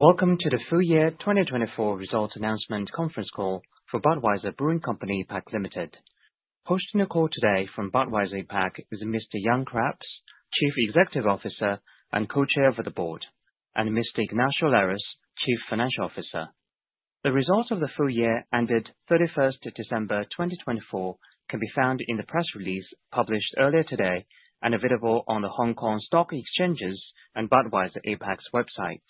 Welcome to the Full Year 2024 Results Announcement Conference Call for Budweiser Brewing Company APAC Ltd. Hosting the call today from Budweiser APAC is Mr. Jan Craps, Chief Executive Officer and Co-Chair of the Board, and Mr. Ignacio Lares, Chief Financial Officer. The results of the full year ended 31st December 2024 can be found in the press release published earlier today and available on the Hong Kong Stock Exchanges and Budweiser APAC's websites.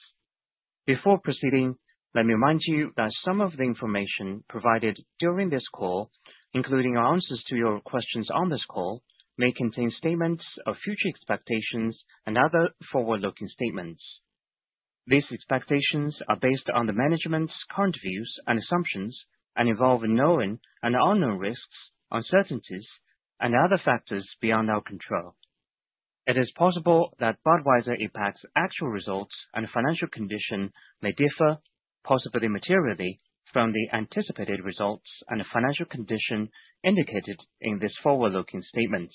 Before proceeding, let me remind you that some of the information provided during this call, including our answers to your questions on this call, may contain statements of future expectations and other forward-looking statements. These expectations are based on the management's current views and assumptions and involve known and unknown risks, uncertainties, and other factors beyond our control. It is possible that Budweiser APAC's actual results and financial condition may differ, possibly materially, from the anticipated results and financial condition indicated in these forward-looking statements.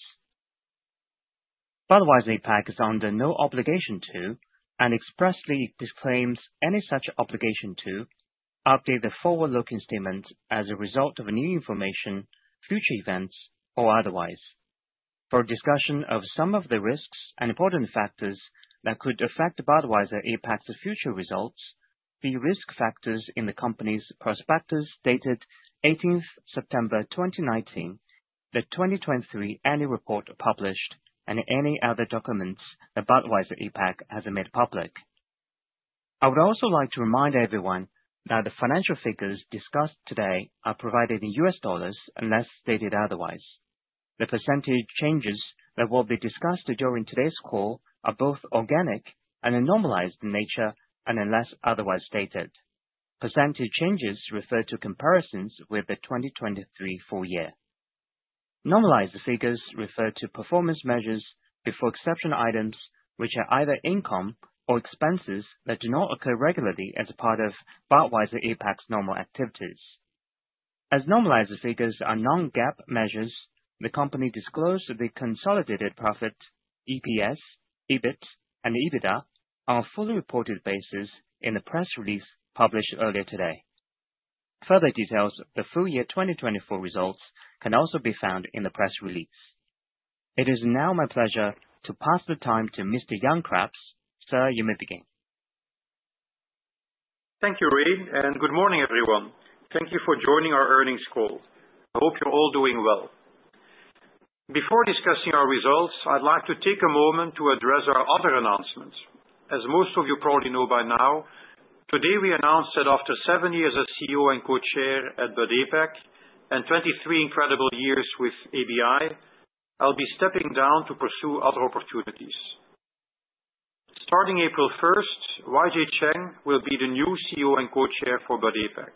Budweiser APAC is under no obligation to, and expressly disclaims any such obligation to, update the forward-looking statement as a result of new information, future events, or otherwise. For discussion of some of the risks and important factors that could affect Budweiser APAC's future results, the risk factors in the company's prospectus dated 18th September 2019, the 2023 Annual Report published, and any other documents that Budweiser APAC has made public. I would also like to remind everyone that the financial figures discussed today are provided in U.S. dollars unless stated otherwise. The percentage changes that will be discussed during today's call are both organic and normalized in nature and unless otherwise stated. Percentage changes refer to comparisons with the 2023 full year. Normalized figures refer to performance measures before exception items which are either income or expenses that do not occur regularly as part of Budweiser APAC's normal activities. As normalized figures are non-GAAP measures, the company disclosed the consolidated profit, EPS, EBIT, and EBITDA on a fully reported basis in the press release published earlier today. Further details of the full year 2024 results can also be found in the press release. It is now my pleasure to pass the mic to Mr. Jan Craps, CEO. Thank you, Reid, and good morning, everyone. Thank you for joining our earnings call. I hope you're all doing well. Before discussing our results, I'd like to take a moment to address our other announcements. As most of you probably know by now, today we announced that after seven years as CEO and Co-Chair at Bud APAC and 23 incredible years with ABI, I'll be stepping down to pursue other opportunities. Starting April 1st, YJ Cheng will be the new CEO and Co-Chair for Bud APAC.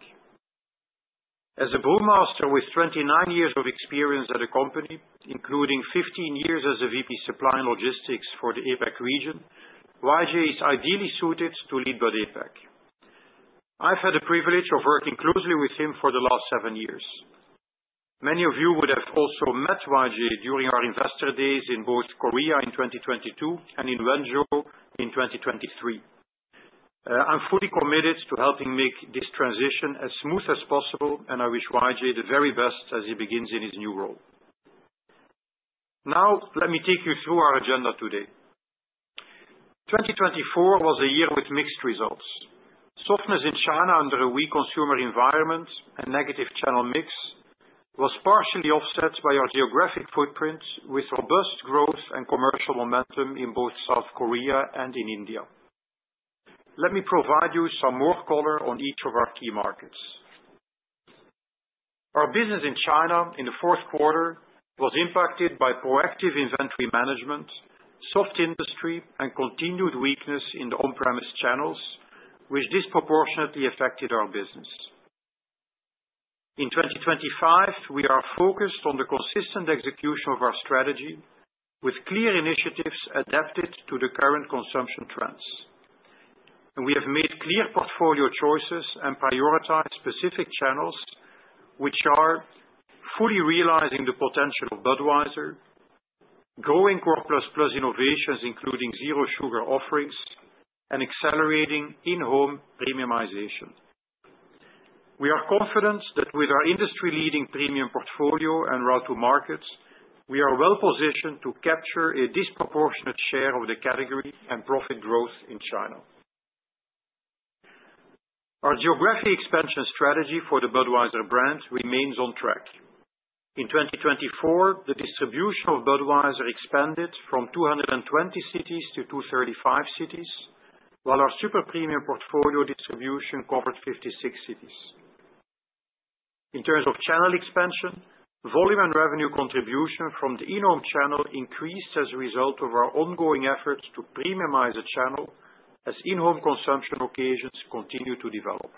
As a brewmaster with 29 years of experience at the company, including 15 years as a VP Supply and Logistics for the APAC region, YJ is ideally suited to lead Bud APAC. I've had the privilege of working closely with him for the last seven years. Many of you would have also met YJ during our Investor Days in both Korea in 2022 and in Wenzhou in 2023. I'm fully committed to helping make this transition as smooth as possible, and I wish YJ the very best as he begins in his new role. Now, let me take you through our agenda today. 2024 was a year with mixed results. Softness in China under a weak consumer environment and negative channel mix was partially offset by our geographic footprint with robust growth and commercial momentum in both South Korea and in India. Let me provide you some more color on each of our key markets. Our business in China in the fourth quarter was impacted by proactive inventory management, soft industry, and continued weakness in the on-premise channels, which disproportionately affected our business. In 2025, we are focused on the consistent execution of our strategy with clear initiatives adapted to the current consumption trends. We have made clear portfolio choices and prioritized specific channels, which are fully realizing the potential of Budweiser, growing Core Plus Plus innovations including zero sugar offerings, and accelerating in-home premiumization. We are confident that with our industry-leading Premium portfolio and route to markets, we are well positioned to capture a disproportionate share of the category and profit growth in China. Our geographic expansion strategy for the Budweiser brand remains on track. In 2024, the distribution of Budweiser expanded from 220 cities to 235 cities, while our Super Premium portfolio distribution covered 56 cities. In terms of channel expansion, volume and revenue contribution from the in-home channel increased as a result of our ongoing efforts to premiumize the channel as in-home consumption occasions continue to develop.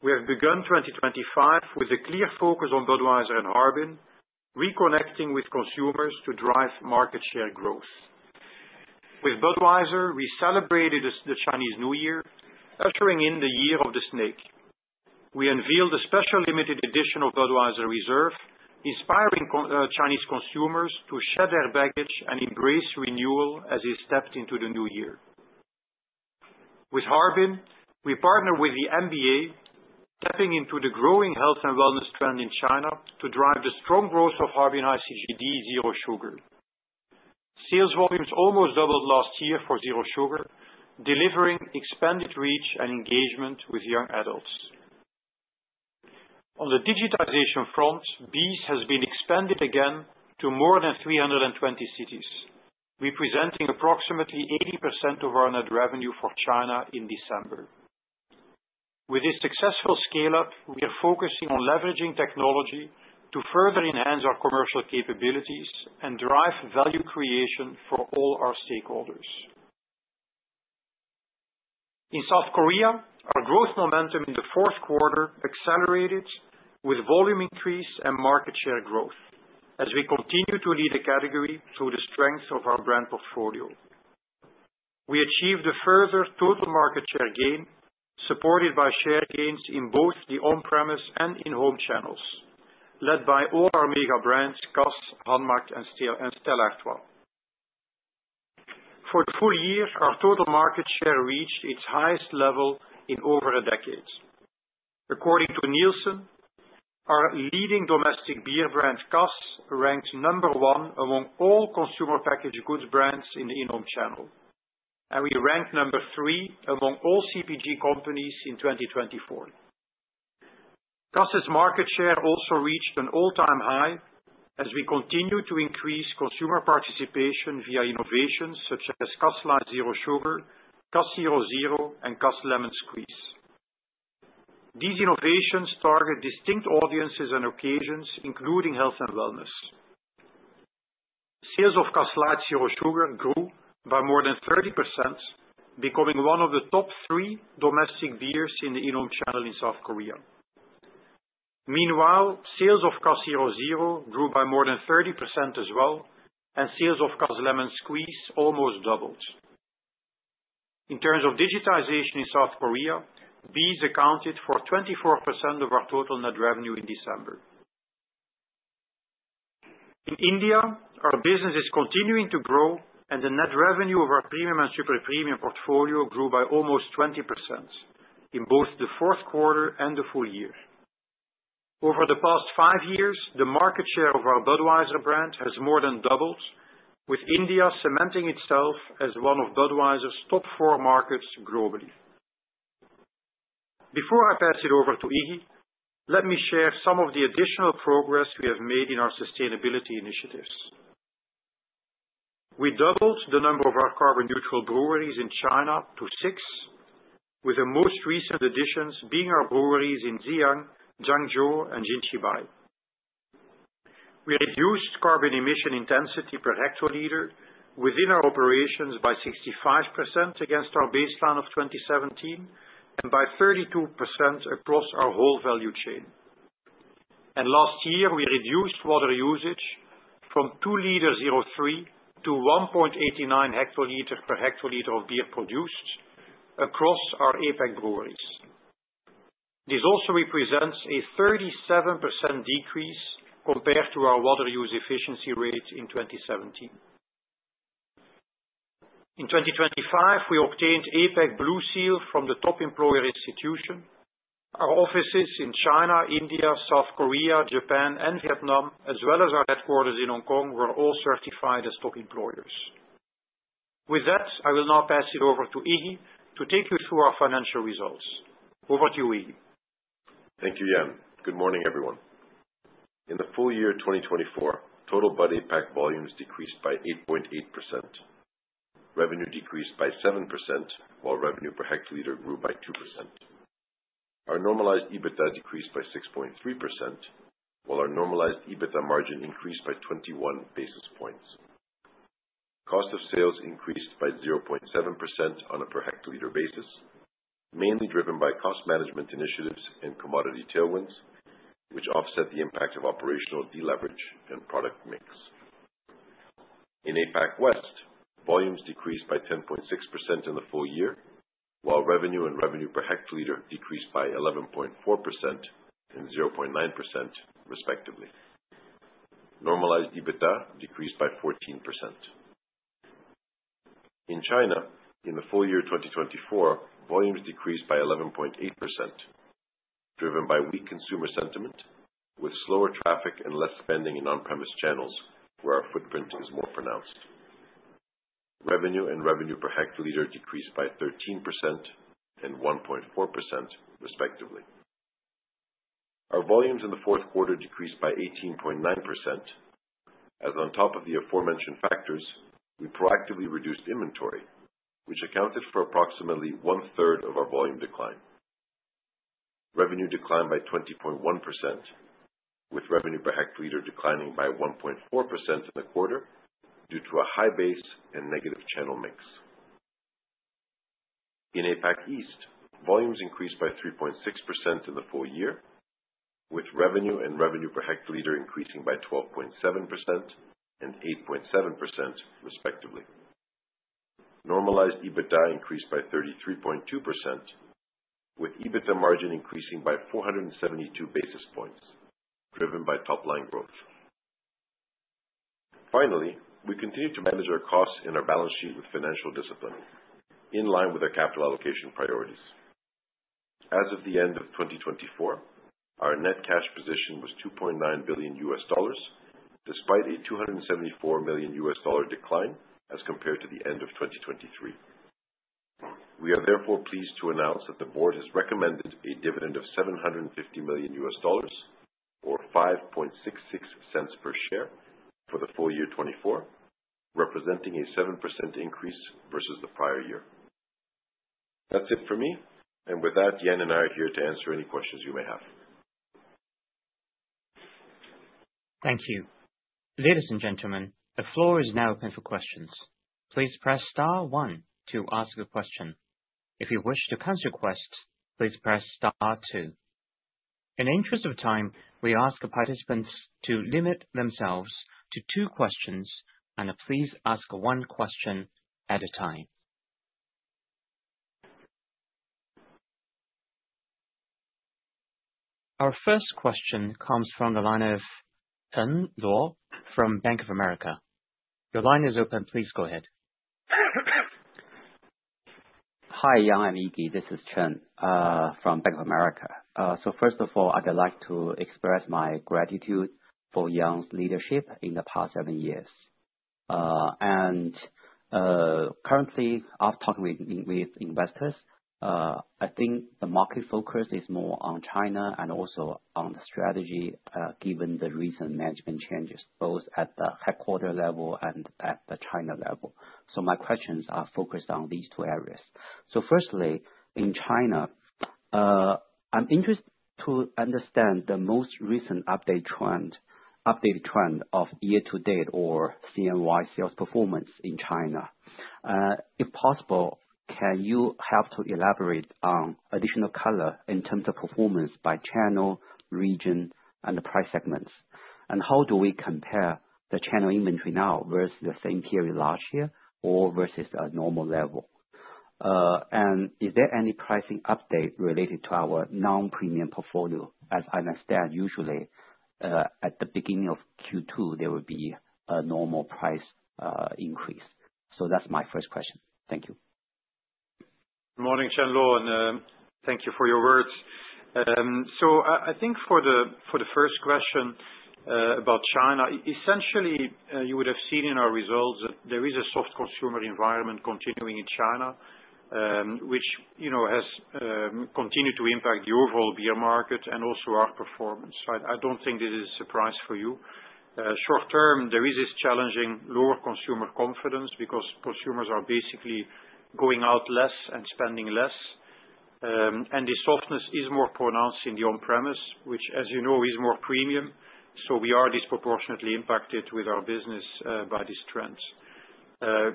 We have begun 2025 with a clear focus on Budweiser and Harbin, reconnecting with consumers to drive market share growth. With Budweiser, we celebrated the Chinese New Year, ushering in the Year of the Snake. We unveiled a special limited edition of Budweiser Reserve, inspiring Chinese consumers to shed their baggage and embrace renewal as they stepped into the new year. With Harbin, we partner with the NBA, tapping into the growing health and wellness trend in China to drive the strong growth of Harbin Ice Zero Sugar. Sales volumes almost doubled last year for Zero Sugar, delivering expanded reach and engagement with young adults. On the digitization front, BEES has been expanded again to more than 320 cities, representing approximately 80% of our net revenue for China in December. With this successful scale-up, we are focusing on leveraging technology to further enhance our commercial capabilities and drive value creation for all our stakeholders. In South Korea, our growth momentum in the fourth quarter accelerated with volume increase and market share growth as we continue to lead the category through the strength of our brand portfolio. We achieved a further total market share gain supported by share gains in both the on-premise and in-home channels, led by all our mega brands, Cass, Hanmac, and Stella Artois. For the full year, our total market share reached its highest level in over a decade. According to Nielsen, our leading domestic beer brand, Cass, ranked number one among all consumer packaged goods brands in the in-home channel, and we ranked number three among all CPG companies in 2024. Cass's market share also reached an all-time high as we continue to increase consumer participation via innovations such as Cass Light Zero Sugar, Cass Zero Zero, and Cass Lemon Squeeze. These innovations target distinct audiences and occasions, including health and wellness. Sales of Cass Light Zero Sugar grew by more than 30%, becoming one of the top three domestic beers in the in-home channel in South Korea. Meanwhile, sales of Cass Zero Zero grew by more than 30% as well, and sales of Cass Lemon Squeeze almost doubled. In terms of digitization in South Korea, BEES accounted for 24% of our total net revenue in December. In India, our business is continuing to grow, and the net revenue of our premium and super premium portfolio grew by almost 20% in both the fourth quarter and the full year. Over the past five years, the market share of our Budweiser brand has more than doubled, with India cementing itself as one of Budweiser's top four markets globally. Before I pass it over to Iggy, let me share some of the additional progress we have made in our sustainability initiatives. We doubled the number of our carbon-neutral breweries in China to six, with the most recent additions being our breweries in Jiangmen, Zhangzhou, and Jinan. We reduced carbon emission intensity per hectoliter within our operations by 65% against our baseline of 2017 and by 32% across our whole value chain, and last year, we reduced water usage from 2.03 to 1.89 hectoliters per hectoliter of beer produced across our APAC breweries. This also represents a 37% decrease compared to our water use efficiency rate in 2017. In 2025, we obtained APAC Blue Seal from the Top Employers Institute. Our offices in China, India, South Korea, Japan, and Vietnam, as well as our headquarters in Hong Kong, were all certified as Top Employers. With that, I will now pass it over to Iggy to take you through our financial results. Over to you, Iggy. Thank you, Jan. Good morning, everyone. In the full year 2024, total Bud APAC volumes decreased by 8.8%. Revenue decreased by 7%, while revenue per hectoliter grew by 2%. Our normalized EBITDA decreased by 6.3%, while our normalized EBITDA margin increased by 21 basis points. Cost of sales increased by 0.7% on a per hectoliter basis, mainly driven by cost management initiatives and commodity tailwinds, which offset the impact of operational deleverage and product mix. In APAC West, volumes decreased by 10.6% in the full year, while revenue and revenue per hectoliter decreased by 11.4% and 0.9%, respectively. Normalized EBITDA decreased by 14%. In China, in the full year 2024, volumes decreased by 11.8%, driven by weak consumer sentiment with slower traffic and less spending in on-premise channels, where our footprint is more pronounced. Revenue and revenue per hectoliter decreased by 13% and 1.4%, respectively. Our volumes in the fourth quarter decreased by 18.9%, as on top of the aforementioned factors, we proactively reduced inventory, which accounted for approximately one-third of our volume decline. Revenue declined by 20.1%, with revenue per hectoliter declining by 1.4% in the quarter due to a high base and negative channel mix. In APAC East, volumes increased by 3.6% in the full year, with revenue and revenue per hectoliter increasing by 12.7% and 8.7%, respectively. Normalized EBITDA increased by 33.2%, with EBITDA margin increasing by 472 basis points, driven by top-line growth. Finally, we continue to manage our CASS in our balance sheet with financial discipline, in line with our capital allocation priorities. As of the end of 2024, our net cash position was $2.9 billion, despite a $274 million decline as compared to the end of 2023. We are therefore pleased to announce that the board has recommended a dividend of $750 million, or $0.0566 per share for the full year 2024, representing a 7% increase versus the prior year. That's it for me. And with that, Jan and I are here to answer any questions you may have. Thank you. Ladies and gentlemen, the floor is now open for questions. Please press star one to ask a question. If you wish to cancel requests, please press star two. In the interest of time, we ask participants to limit themselves to two questions and please ask one question at a time. Our first question comes from the line of Chen Luo from Bank of America. Your line is open. Please go ahead. Hi, Jan and Iggy. This is Chen from Bank of America. So first of all, I'd like to express my gratitude for Jan's leadership in the past seven years. And currently, after talking with investors, I think the market focus is more on China and also on the strategy given the recent management changes, both at the headquarters level and at the China level. So my questions are focused on these two areas. So firstly, in China, I'm interested to understand the most recent updated trend of year-to-date or CNY sales performance in China. If possible, can you help to elaborate on additional color in terms of performance by channel, region, and price segments? And how do we compare the channel inventory now versus the same period last year or versus a normal level? And is there any pricing update related to our non-premium portfolio? As I understand, usually at the beginning of Q2, there will be a normal price increase. So that's my first question. Thank you. Good morning, Chen Luo, and thank you for your words. So I think for the first question about China, essentially, you would have seen in our results that there is a soft consumer environment continuing in China, which has continued to impact the overall beer market and also our performance. I don't think this is a surprise for you. Short term, there is this challenging lower consumer confidence because consumers are basically going out less and spending less. And the softness is more pronounced in the on-premise, which, as you know, is more premium. So we are disproportionately impacted with our business by this trend.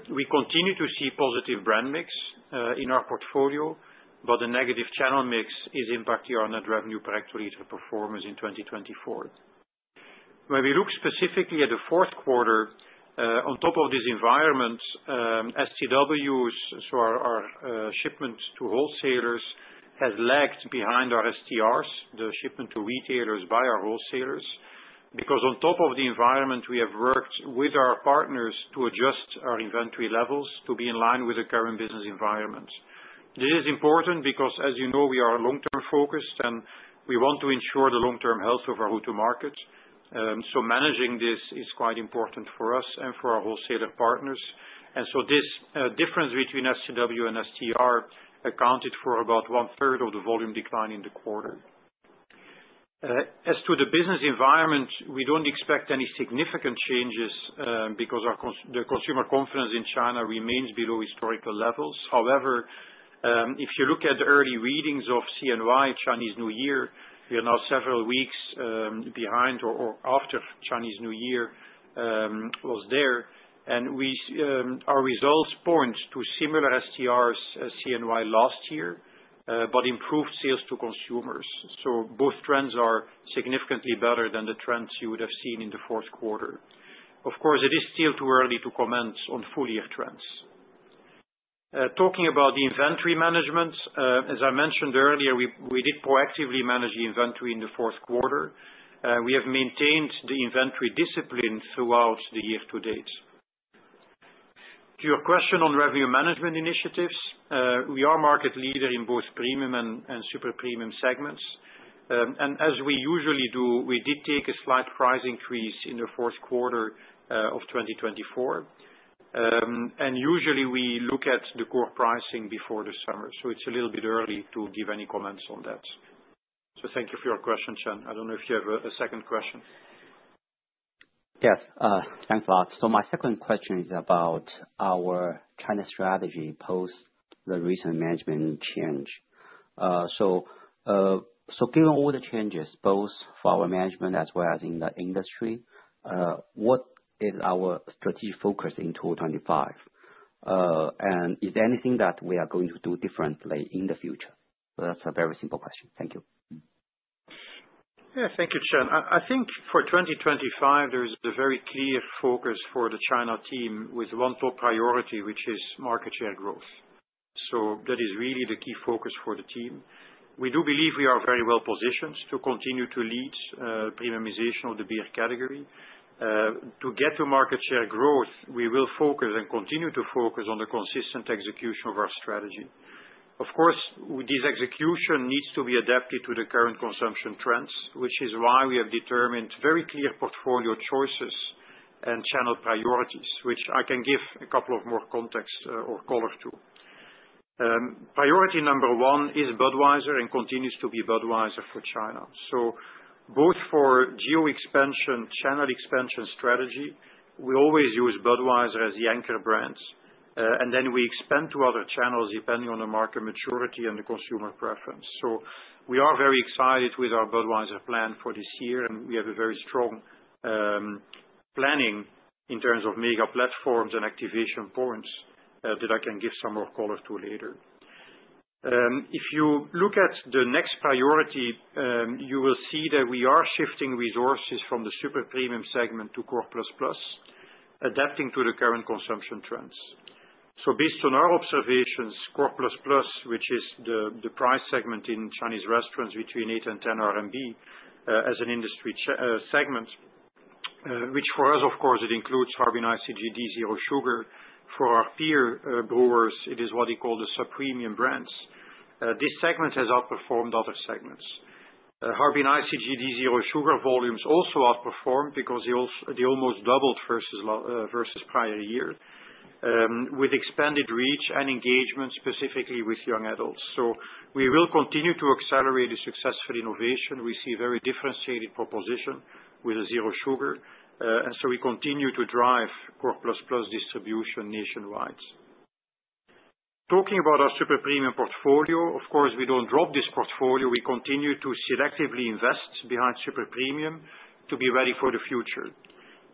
We continue to see positive brand mix in our portfolio, but the negative channel mix is impacting our net revenue per hectoliter performance in 2024. When we look specifically at the fourth quarter, on top of this environment, STWs, so our shipment to wholesalers, has lagged behind our STRs, the shipment to retailers by our wholesalers, because on top of the environment, we have worked with our partners to adjust our inventory levels to be in line with the current business environment. This is important because, as you know, we are long-term focused, and we want to ensure the long-term health of our go-to-market. So managing this is quite important for us and for our wholesaler partners. And so this difference between STW and STR accounted for about one-third of the volume decline in the quarter. As to the business environment, we don't expect any significant changes because the consumer confidence in China remains below historical levels. However, if you look at the early readings of CNY, Chinese New Year, we are now several weeks behind or after Chinese New Year was there, and our results point to similar STRs as CNY last year, but improved sales to consumers, so both trends are significantly better than the trends you would have seen in the fourth quarter. Of course, it is still too early to comment on full-year trends. Talking about the inventory management, as I mentioned earlier, we did proactively manage the inventory in the fourth quarter. We have maintained the inventory discipline throughout the year to date. To your question on revenue management initiatives, we are market leader in both premium and super premium segments, and as we usually do, we did take a slight price increase in the fourth quarter of 2024, and usually, we look at the core pricing before the summer. So it's a little bit early to give any comments on that. So thank you for your question, Chen. I don't know if you have a second question. Yes, thanks a lot. So my second question is about our China strategy post the recent management change. So given all the changes, both for our management as well as in the industry, what is our strategic focus in 2025? And is there anything that we are going to do differently in the future? So that's a very simple question. Thank you. Yeah, thank you, Chen. I think for 2025, there is a very clear focus for the China team with one top priority, which is market share growth. So that is really the key focus for the team. We do believe we are very well positioned to continue to lead premiumization of the beer category. To get to market share growth, we will focus and continue to focus on the consistent execution of our strategy. Of course, this execution needs to be adapted to the current consumption trends, which is why we have determined very clear portfolio choices and channel priorities, which I can give a couple of more context or color to. Priority number one is Budweiser and continues to be Budweiser for China. So both for geo-expansion, channel expansion strategy, we always use Budweiser as the anchor brands. And then we expand to other channels depending on the market maturity and the consumer preference. So we are very excited with our Budweiser plan for this year, and we have a very strong planning in terms of mega platforms and activation points that I can give some more color to later. If you look at the next priority, you will see that we are shifting resources from the Super Premium segment to Core Plus Plus, adapting to the current consumption trends. So based on our observations, Core Plus Plus, which is the price segment in Chinese restaurants between 8 and 10 RMB as an industry segment, which for us, of course, it includes Harbin Ice Zero Sugar. For our peer brewers, it is what they call the sub-premium brands. This segment has outperformed other segments. Harbin Ice zero sugar volumes also outperformed because they almost doubled versus prior year, with expanded reach and engagement specifically with young adults. So we will continue to accelerate the successful innovation. We see a very differentiated proposition with a zero sugar. And so we continue to drive core plus plus distribution nationwide. Talking about our super premium portfolio, of course, we don't drop this portfolio. We continue to selectively invest behind super premium to be ready for the future.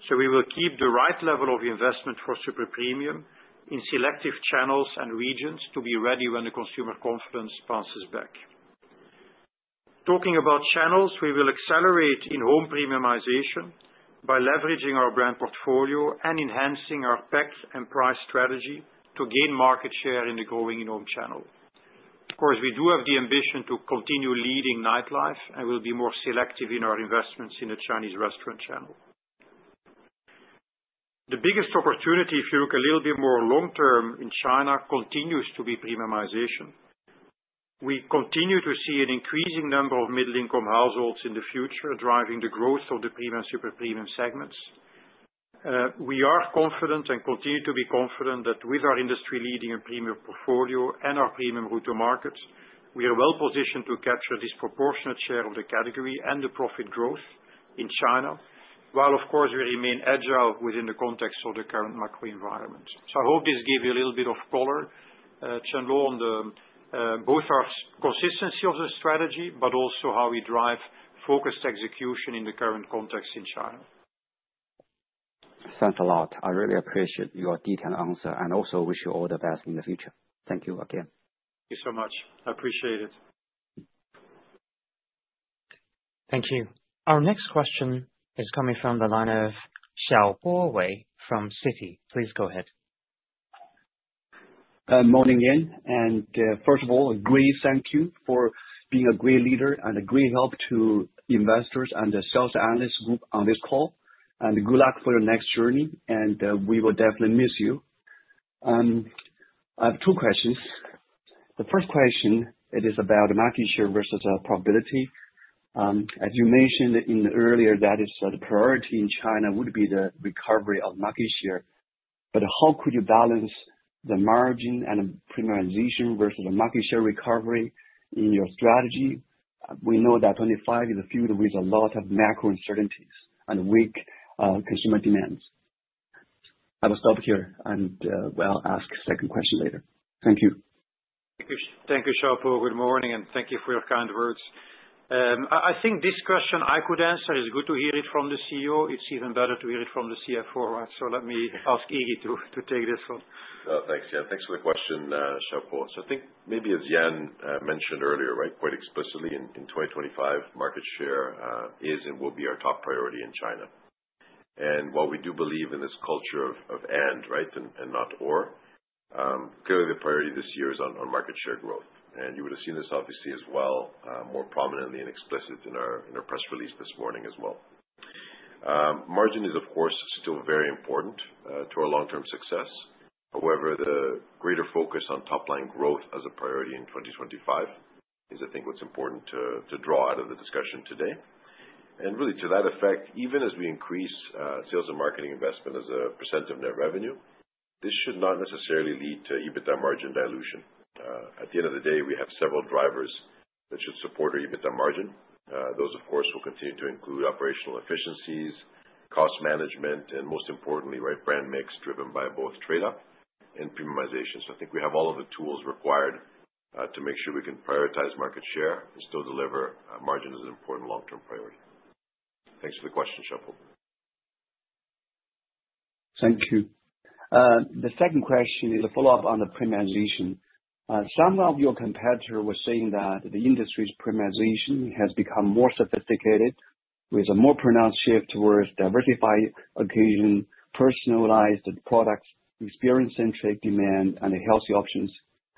So we will keep the right level of investment for super premium in selective channels and regions to be ready when the consumer confidence bounces back. Talking about channels, we will accelerate in-home premiumization by leveraging our brand portfolio and enhancing our pack and price strategy to gain market share in the growing in-home channel. Of course, we do have the ambition to continue leading nightlife and will be more selective in our investments in the Chinese restaurant channel. The biggest opportunity, if you look a little bit more long-term in China, continues to be premiumization. We continue to see an increasing number of middle-income households in the future driving the growth of the premium and super premium segments. We are confident and continue to be confident that with our industry-leading and premium portfolio and our premium go-to-markets, we are well positioned to capture a disproportionate share of the category and the profit growth in China, while, of course, we remain agile within the context of the current macro environment. So I hope this gave you a little bit of color, Chen Luo, on both our consistency of the strategy, but also how we drive focused execution in the current context in China. Thanks a lot. I really appreciate your detailed answer and also wish you all the best in the future. Thank you again. Thank you so much. I appreciate it. Thank you. Our next question is coming from the line of Xiao Pua Wei from Citi. Please go ahead. Morning, Jan. And first of all, a great thank you for being a great leader and a great help to investors and the sell-side analyst group on this call. And good luck for your next journey, and we will definitely miss you. I have two questions. The first question, it is about market share versus profitability. As you mentioned earlier, that is the priority in China would be the recovery of market share. But how could you balance the margin and premiumization versus the market share recovery in your strategy? We know that 2025 is filled with a lot of macro uncertainties and weak consumer demand. I will stop here and I'll ask the second question later. Thank you. Thank you, Xiao Pua. Good morning, and thank you for your kind words. I think this question I could answer is good to hear it from the CEO. It's even better to hear it from the CFO, right? So let me ask Iggy to take this one. Oh, thanks, Jan. Thanks for the question, Xiao Pua. So I think maybe as Jan mentioned earlier, right, quite explicitly, in 2025, market share is and will be our top priority in China. And while we do believe in this culture of and, right, and not or, clearly the priority this year is on market share growth. And you would have seen this, obviously, as well, more prominently and explicitly in our press release this morning as well. Margin is, of course, still very important to our long-term success. However, the greater focus on top-line growth as a priority in 2025 is, I think, what's important to draw out of the discussion today. And really, to that effect, even as we increase sales and marketing investment as a percent of net revenue, this should not necessarily lead to EBITDA margin dilution. At the end of the day, we have several drivers that should support our EBITDA margin. Those, of course, will continue to include operational efficiencies, cost management, and most importantly, right, brand mix driven by both trade-off and premiumization. So I think we have all of the tools required to make sure we can prioritize market share and still deliver margin as an important long-term priority. Thanks for the question, Xiao Pua. Thank you. The second question is a follow-up on the premiumization. Some of your competitors were saying that the industry's premiumization has become more sophisticated, with a more pronounced shift towards diversified occasion, personalized products, experience-centric demand, and healthy options.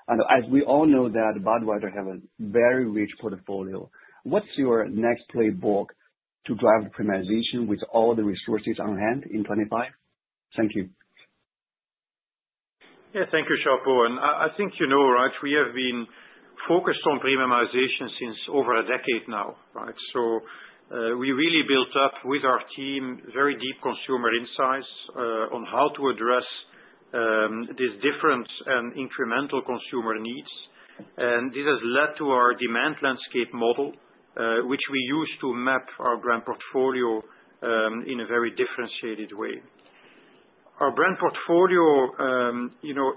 And as we all know that Budweiser has a very rich portfolio, what's your next playbook to drive the premiumization with all the resources on hand in 2025? Thank you. Yeah, thank you, Xiao Pua. And I think you know, right, we have been focused on premiumization since over a decade now, right? So we really built up with our team very deep consumer insights on how to address these different and incremental consumer needs. And this has led to our demand landscape model, which we use to map our brand portfolio in a very differentiated way. Our brand portfolio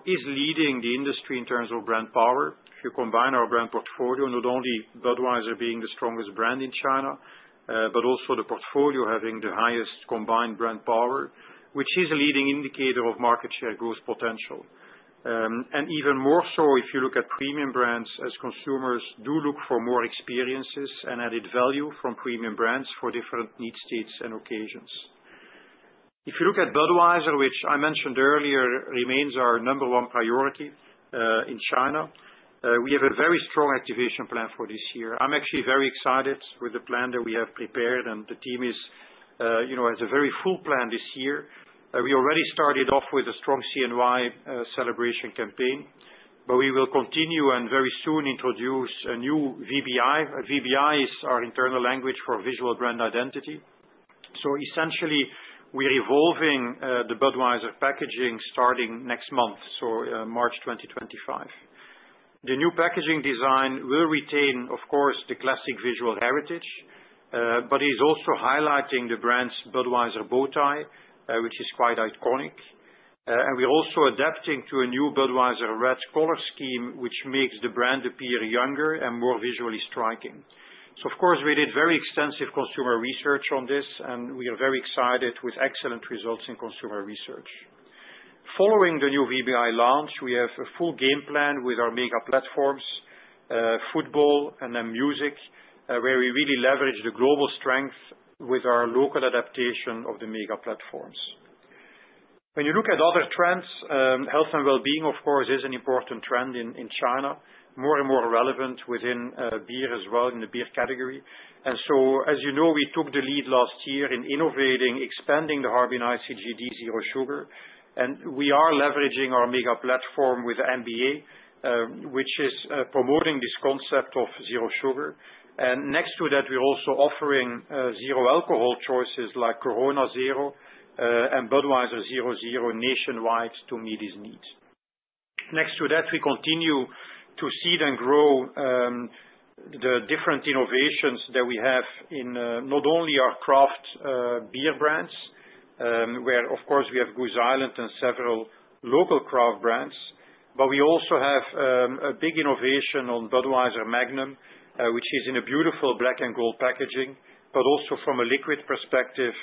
is leading the industry in terms of brand power. If you combine our brand portfolio, not only Budweiser being the strongest brand in China, but also the portfolio having the highest combined brand power, which is a leading indicator of market share growth potential. And even more so if you look at premium brands as consumers do look for more experiences and added value from premium brands for different need states and occasions. If you look at Budweiser, which I mentioned earlier, remains our number one priority in China. We have a very strong activation plan for this year. I'm actually very excited with the plan that we have prepared, and the team has a very full plan this year. We already started off with a strong CNY celebration campaign, but we will continue and very soon introduce a new VBI. VBI is our internal language for visual brand identity. So essentially, we are evolving the Budweiser packaging starting next month, so March 2025. The new packaging design will retain, of course, the classic visual heritage, but it is also highlighting the brand's Budweiser bow tie, which is quite iconic, and we're also adapting to a new Budweiser red color scheme, which makes the brand appear younger and more visually striking. So of course, we did very extensive consumer research on this, and we are very excited with excellent results in consumer research. Following the new VBI launch, we have a full game plan with our mega platforms, football, and then music, where we really leverage the global strength with our local adaptation of the mega platforms. When you look at other trends, health and well-being, of course, is an important trend in China, more and more relevant within beer as well in the beer category. And so, as you know, we took the lead last year in innovating, expanding the Harbin Ice zero sugar. And we are leveraging our mega platform with NBA, which is promoting this concept of zero sugar. And next to that, we're also offering zero alcohol choices like Corona Cero and Budweiser Zero Zero nationwide to meet these needs. Next to that, we continue to seed and grow the different innovations that we have in not only our craft beer brands, where, of course, we have Goose Island and several local craft brands, but we also have a big innovation on Budweiser Magnum, which is in a beautiful black and gold packaging, but also from a liquid perspective,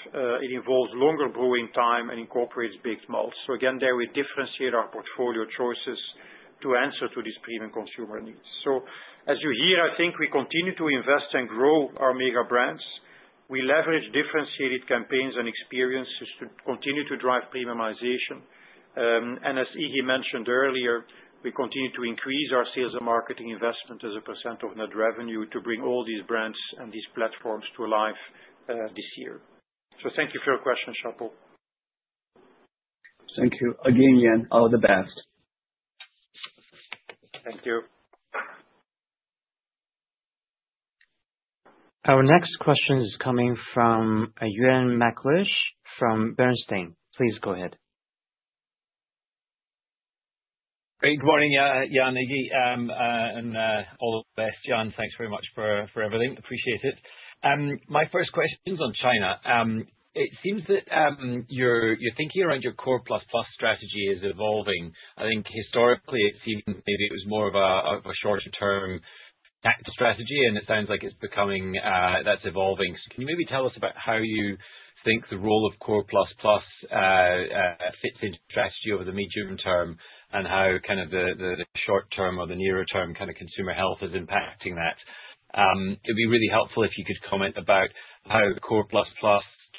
it involves longer brewing time and incorporates baked malts, so again, there we differentiate our portfolio choices to answer to these premium consumer needs, so as you hear, I think we continue to invest and grow our mega brands. We leverage differentiated campaigns and experiences to continue to drive premiumization. And as Iggy mentioned earlier, we continue to increase our sales and marketing investment as a percent of net revenue to bring all these brands and these platforms to life this year, so thank you for your question, Xiao Pua. Thank you. Again, Jan, all the best. Thank you. Our next question is coming from Euan McLeish from Bernstein. Please go ahead. Hey, good morning, Jan, Iggy. And all the best, Jan. Thanks very much for everything. Appreciate it. My first question is on China. It seems that your thinking around your core plus plus strategy is evolving. I think historically, it seemed maybe it was more of a shorter-term strategy, and it sounds like it's becoming that's evolving. So can you maybe tell us about how you think the role of core plus plus fits into strategy over the medium term and how kind of the short-term or the nearer-term kind of consumer health is impacting that? It would be really helpful if you could comment about how core plus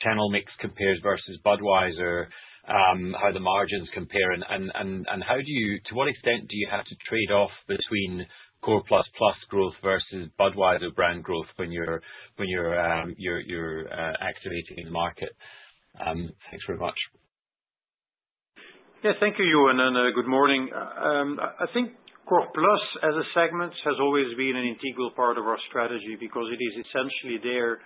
plus channel mix compares versus Budweiser, how the margins compare, and how do you to what extent do you have to trade off between core plus plus growth versus Budweiser brand growth when you're activating the market? Thanks very much. Yeah, thank you, Euan, and good morning. I think Core Plus as a segment has always been an integral part of our strategy because it is essentially there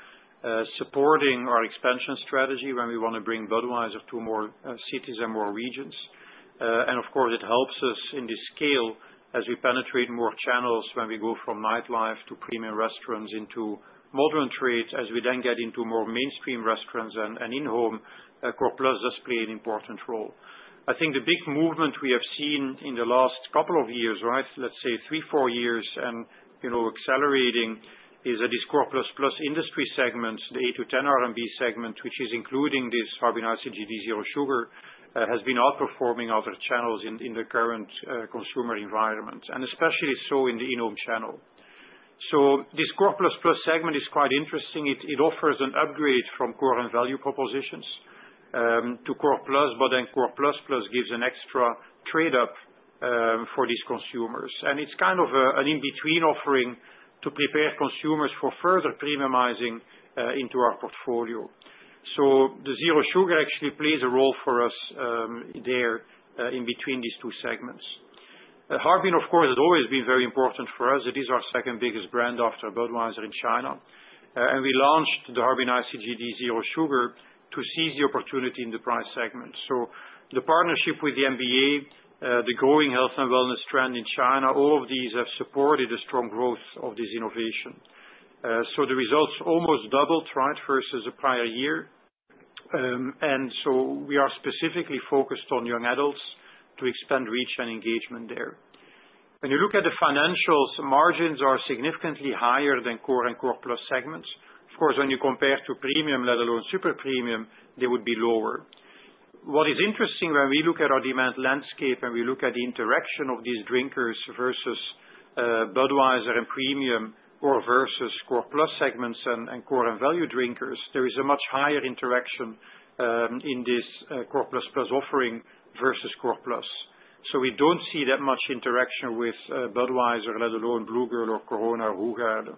supporting our expansion strategy when we want to bring Budweiser to more cities and more regions. Of course, it helps us in the scale as we penetrate more channels when we go from nightlife to premium restaurants into modern trade, as we then get into more mainstream restaurants and in-home. Core Plus does play an important role. I think the big movement we have seen in the last couple of years, right, let's say three, four years, and accelerating is that this Core Plus Plus industry segment, the 8-10 RMB segment, which is including this Harbin Ice zero sugar, has been outperforming other channels in the current consumer environment, and especially so in the in-home channel. So this core plus plus segment is quite interesting. It offers an upgrade from core and value propositions to core plus, but then core plus plus gives an extra trade-off for these consumers. And it's kind of an in-between offering to prepare consumers for further premiumizing into our portfolio. So the zero sugar actually plays a role for us there in between these two segments. Harbin, of course, has always been very important for us. It is our second biggest brand after Budweiser in China. And we launched the Harbin Ice zero sugar to seize the opportunity in the price segment. So the partnership with the NBA, the growing health and wellness trend in China, all of these have supported the strong growth of this innovation. So the results almost doubled, right, versus the prior year. And so we are specifically focused on young adults to expand reach and engagement there. When you look at the financials, margins are significantly higher than core and Core Plus segments. Of course, when you compare to Premium, let alone Super Premium, they would be lower. What is interesting when we look at our demand landscape and we look at the interaction of these drinkers versus Budweiser and Premium or versus Core Plus segments and core and value drinkers, there is a much higher interaction in this Core Plus Plus offering versus Core Plus. So we don't see that much interaction with Budweiser, let alone Blue Girl or Corona or Hoegaarden.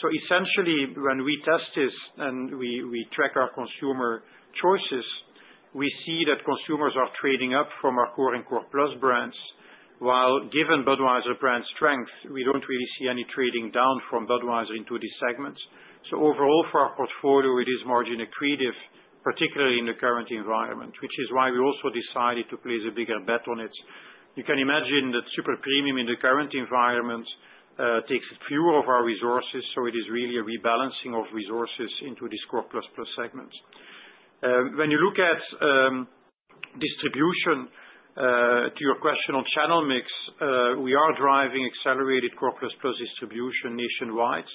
So essentially, when we test this and we track our consumer choices, we see that consumers are trading up from our Core and Core Plus brands, while given Budweiser brand strength, we don't really see any trading down from Budweiser into these segments. So overall, for our portfolio, it is margin accretive, particularly in the current environment, which is why we also decided to place a bigger bet on it. You can imagine that Super Premium in the current environment takes fewer of our resources, so it is really a rebalancing of resources into these Core Plus Plus segments. When you look at distribution, to your question on channel mix, we are driving accelerated Core Plus Plus distribution nationwide.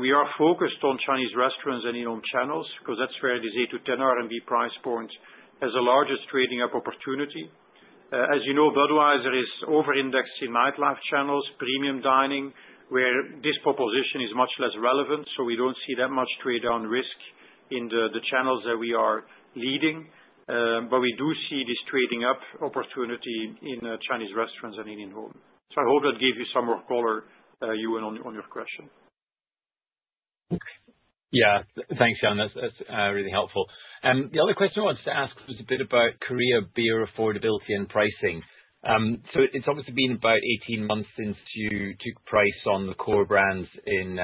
We are focused on Chinese restaurants and in-home channels because that's where this 8-10 RMB price point has the largest trading up opportunity. As you know, Budweiser is over-indexed in nightlife channels, premium dining, where this proposition is much less relevant. So we don't see that much trade-on risk in the channels that we are leading, but we do see this trading up opportunity in Chinese restaurants and in-home. So I hope that gave you some more color, Euan, on your question. Yeah, thanks, Jan. That's really helpful. The other question I wanted to ask was a bit about Korea beer affordability and pricing. So it's obviously been about 18 months since you took price on the core brands in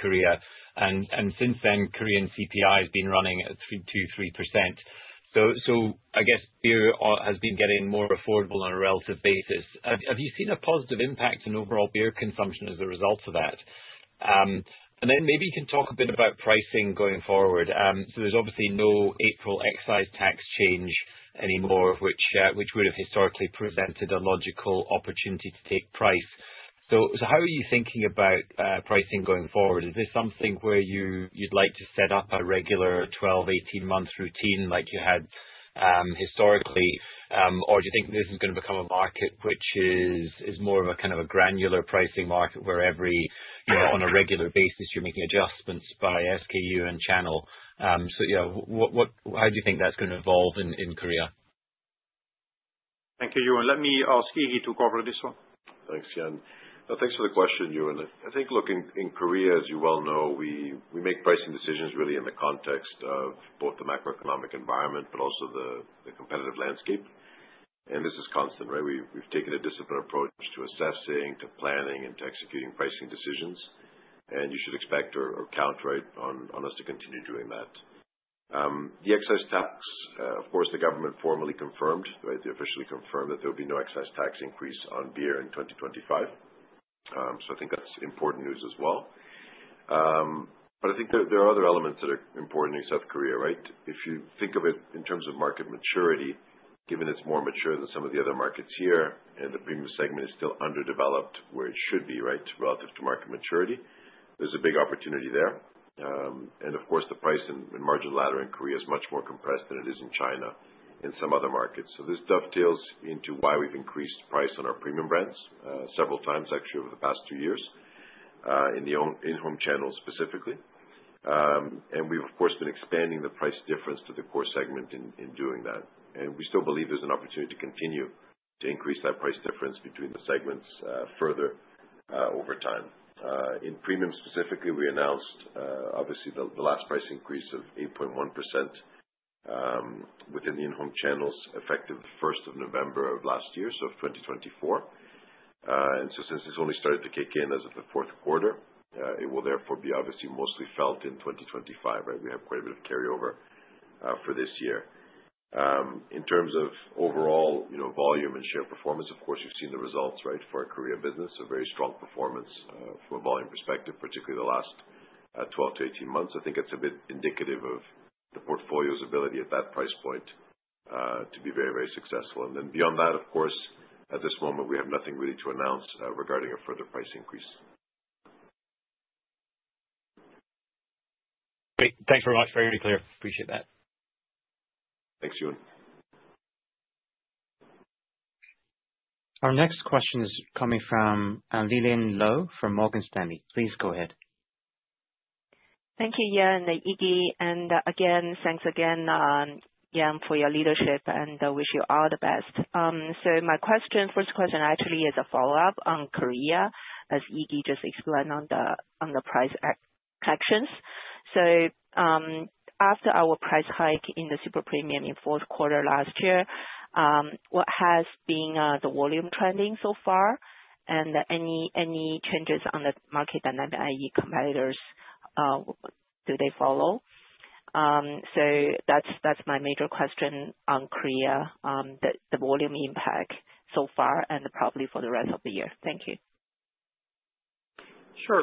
Korea. And since then, Korean CPI has been running at 2%-3%. So I guess beer has been getting more affordable on a relative basis. Have you seen a positive impact in overall beer consumption as a result of that? And then maybe you can talk a bit about pricing going forward. So there's obviously no April excise tax change anymore, which would have historically presented a logical opportunity to take price. So how are you thinking about pricing going forward? Is this something where you'd like to set up a regular 12- or 18-month routine like you had historically, or do you think this is going to become a market which is more of a kind of a granular pricing market where every on a regular basis, you're making adjustments by SKU and channel? So yeah, how do you think that's going to evolve in Korea? Thank you, Euan. Let me ask Iggy to cover this one. Thanks, Jan. Thanks for the question, Euan. I think looking in Korea, as you well know, we make pricing decisions really in the context of both the macroeconomic environment, but also the competitive landscape and this is constant, right? We've taken a disciplined approach to assessing, to planning, and to executing pricing decisions, and you should expect or count, right, on us to continue doing that. The excise tax, of course, the government formally confirmed, right, they officially confirmed that there will be no excise tax increase on beer in 2025, so I think that's important news as well but I think there are other elements that are important in South Korea, right? If you think of it in terms of market maturity, given it's more mature than some of the other markets here, and the premium segment is still underdeveloped where it should be, right, relative to market maturity, there's a big opportunity there. And of course, the price and margin ladder in Korea is much more compressed than it is in China and some other markets. So this dovetails into why we've increased price on our premium brands several times, actually, over the past two years in the in-home channel specifically. And we've, of course, been expanding the price difference to the core segment in doing that. And we still believe there's an opportunity to continue to increase that price difference between the segments further over time. In premium specifically, we announced, obviously, the last price increase of 8.1% within the in-home channels effective first of November of last year, so 2024. And so since this only started to kick in as of the fourth quarter, it will therefore be obviously mostly felt in 2025, right? We have quite a bit of carryover for this year. In terms of overall volume and share performance, of course, you've seen the results, right, for a Korea business, a very strong performance from a volume perspective, particularly the last 12 to 18 months. I think it's a bit indicative of the portfolio's ability at that price point to be very, very successful. And then beyond that, of course, at this moment, we have nothing really to announce regarding a further price increase. Great. Thanks very much. Very clear. Appreciate that. Thanks, Euan. Our next question is coming from Lillian Lou from Morgan Stanley. Please go ahead. Thank you, Jan and Iggy. And again, thanks again, Jan, for your leadership, and I wish you all the best. So my question, first question, actually is a follow-up on Korea, as Iggy just explained on the price actions. So after our price hike in the super premium in fourth quarter last year, what has been the volume trending so far, and any changes on the market dynamic? Any competitors do they follow? So that's my major question on Korea, the volume impact so far, and probably for the rest of the year. Thank you. Sure.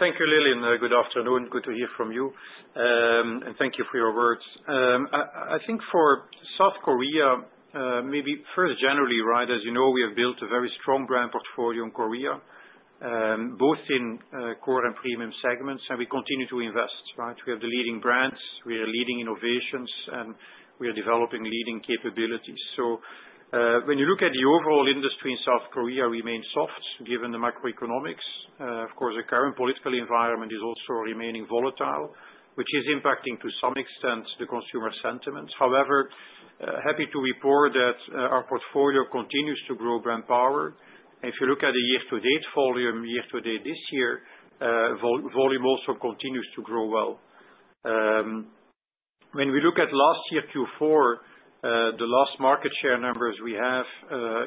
Thank you, Lillian, and good afternoon. Good to hear from you. And thank you for your words. I think for South Korea, maybe first generally, right, as you know, we have built a very strong brand portfolio in Korea, both in core and premium segments, and we continue to invest, right? We have the leading brands, we have leading innovations, and we are developing leading capabilities. So when you look at the overall industry in South Korea, we remain soft given the macroeconomics. Of course, the current political environment is also remaining volatile, which is impacting to some extent the consumer sentiments. However, happy to report that our portfolio continues to grow brand power. If you look at the year-to-date volume, year-to-date this year, volume also continues to grow well. When we look at last year Q4, the last market share numbers we have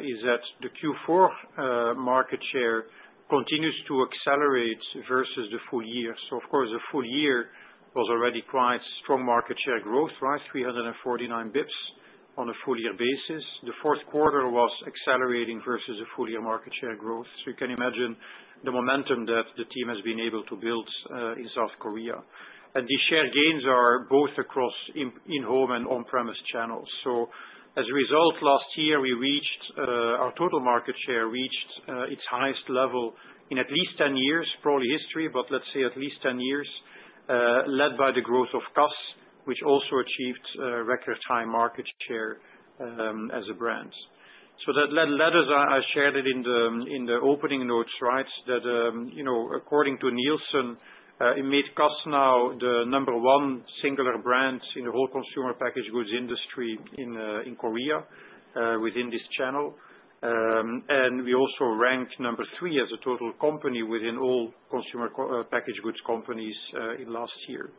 is that the Q4 market share continues to accelerate versus the full year. So of course, the full year was already quite strong market share growth, right? 349 basis points on a full year basis. The fourth quarter was accelerating versus the full year market share growth. So you can imagine the momentum that the team has been able to build in South Korea. And the share gains are both across in-home and on-premise channels. So as a result, last year, we reached our total market share its highest level in at least 10 years, probably history, but let's say at least 10 years, led by the growth of Cass, which also achieved record high market share as a brand. So that led, as I shared it in the opening notes, right, that according to Nielsen, it made CAS now the number one singular brand in the whole consumer packaged goods industry in Korea within this channel. And we also ranked number three as a total company within all consumer packaged goods companies last year.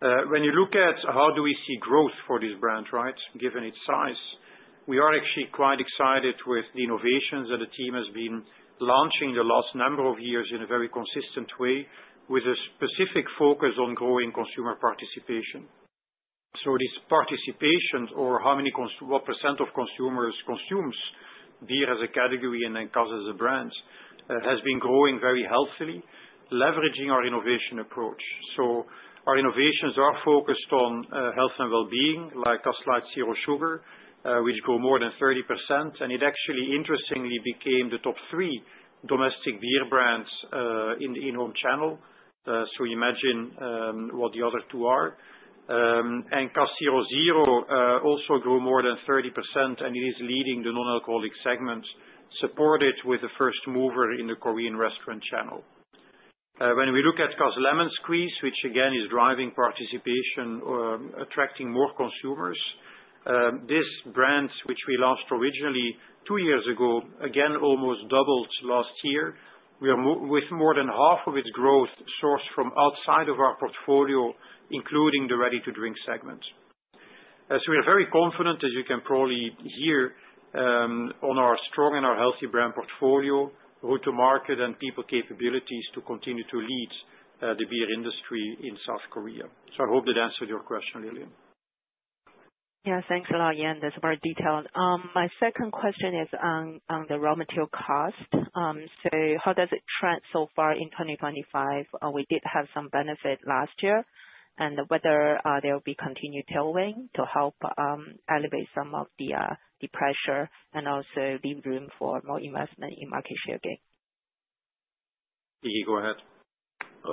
When you look at how do we see growth for this brand, right, given its size, we are actually quite excited with the innovations that the team has been launching the last number of years in a very consistent way with a specific focus on growing consumer participation. So this participation, or what percent of consumers consumes beer as a category and then CAS as a brand, has been growing very healthily, leveraging our innovation approach. Our innovations are focused on health and well-being, like Cass Light Zero Sugar, which grew more than 30%. And it actually, interestingly, became the top three domestic beer brands in the in-home channel. So you imagine what the other two are. And Cass Zero Zero also grew more than 30%, and it is leading the non-alcoholic segment, supported with the first mover in the Korean restaurant channel. When we look at Cass Lemon Squeeze, which again is driving participation, attracting more consumers, this brand, which we launched originally two years ago, again almost doubled last year, with more than half of its growth sourced from outside of our portfolio, including the ready-to-drink segment. So we are very confident, as you can probably hear, on our strong and our healthy brand portfolio, route to market, and people capabilities to continue to lead the beer industry in South Korea. So I hope that answered your question, Lillian. Yeah, thanks a lot, Jan. That's very detailed. My second question is on the raw material cost. So how does it trend so far in 2025? We did have some benefit last year, and whether there will be continued tailwind to help elevate some of the pressure and also leave room for more investment in market share gain? Iggy, go ahead.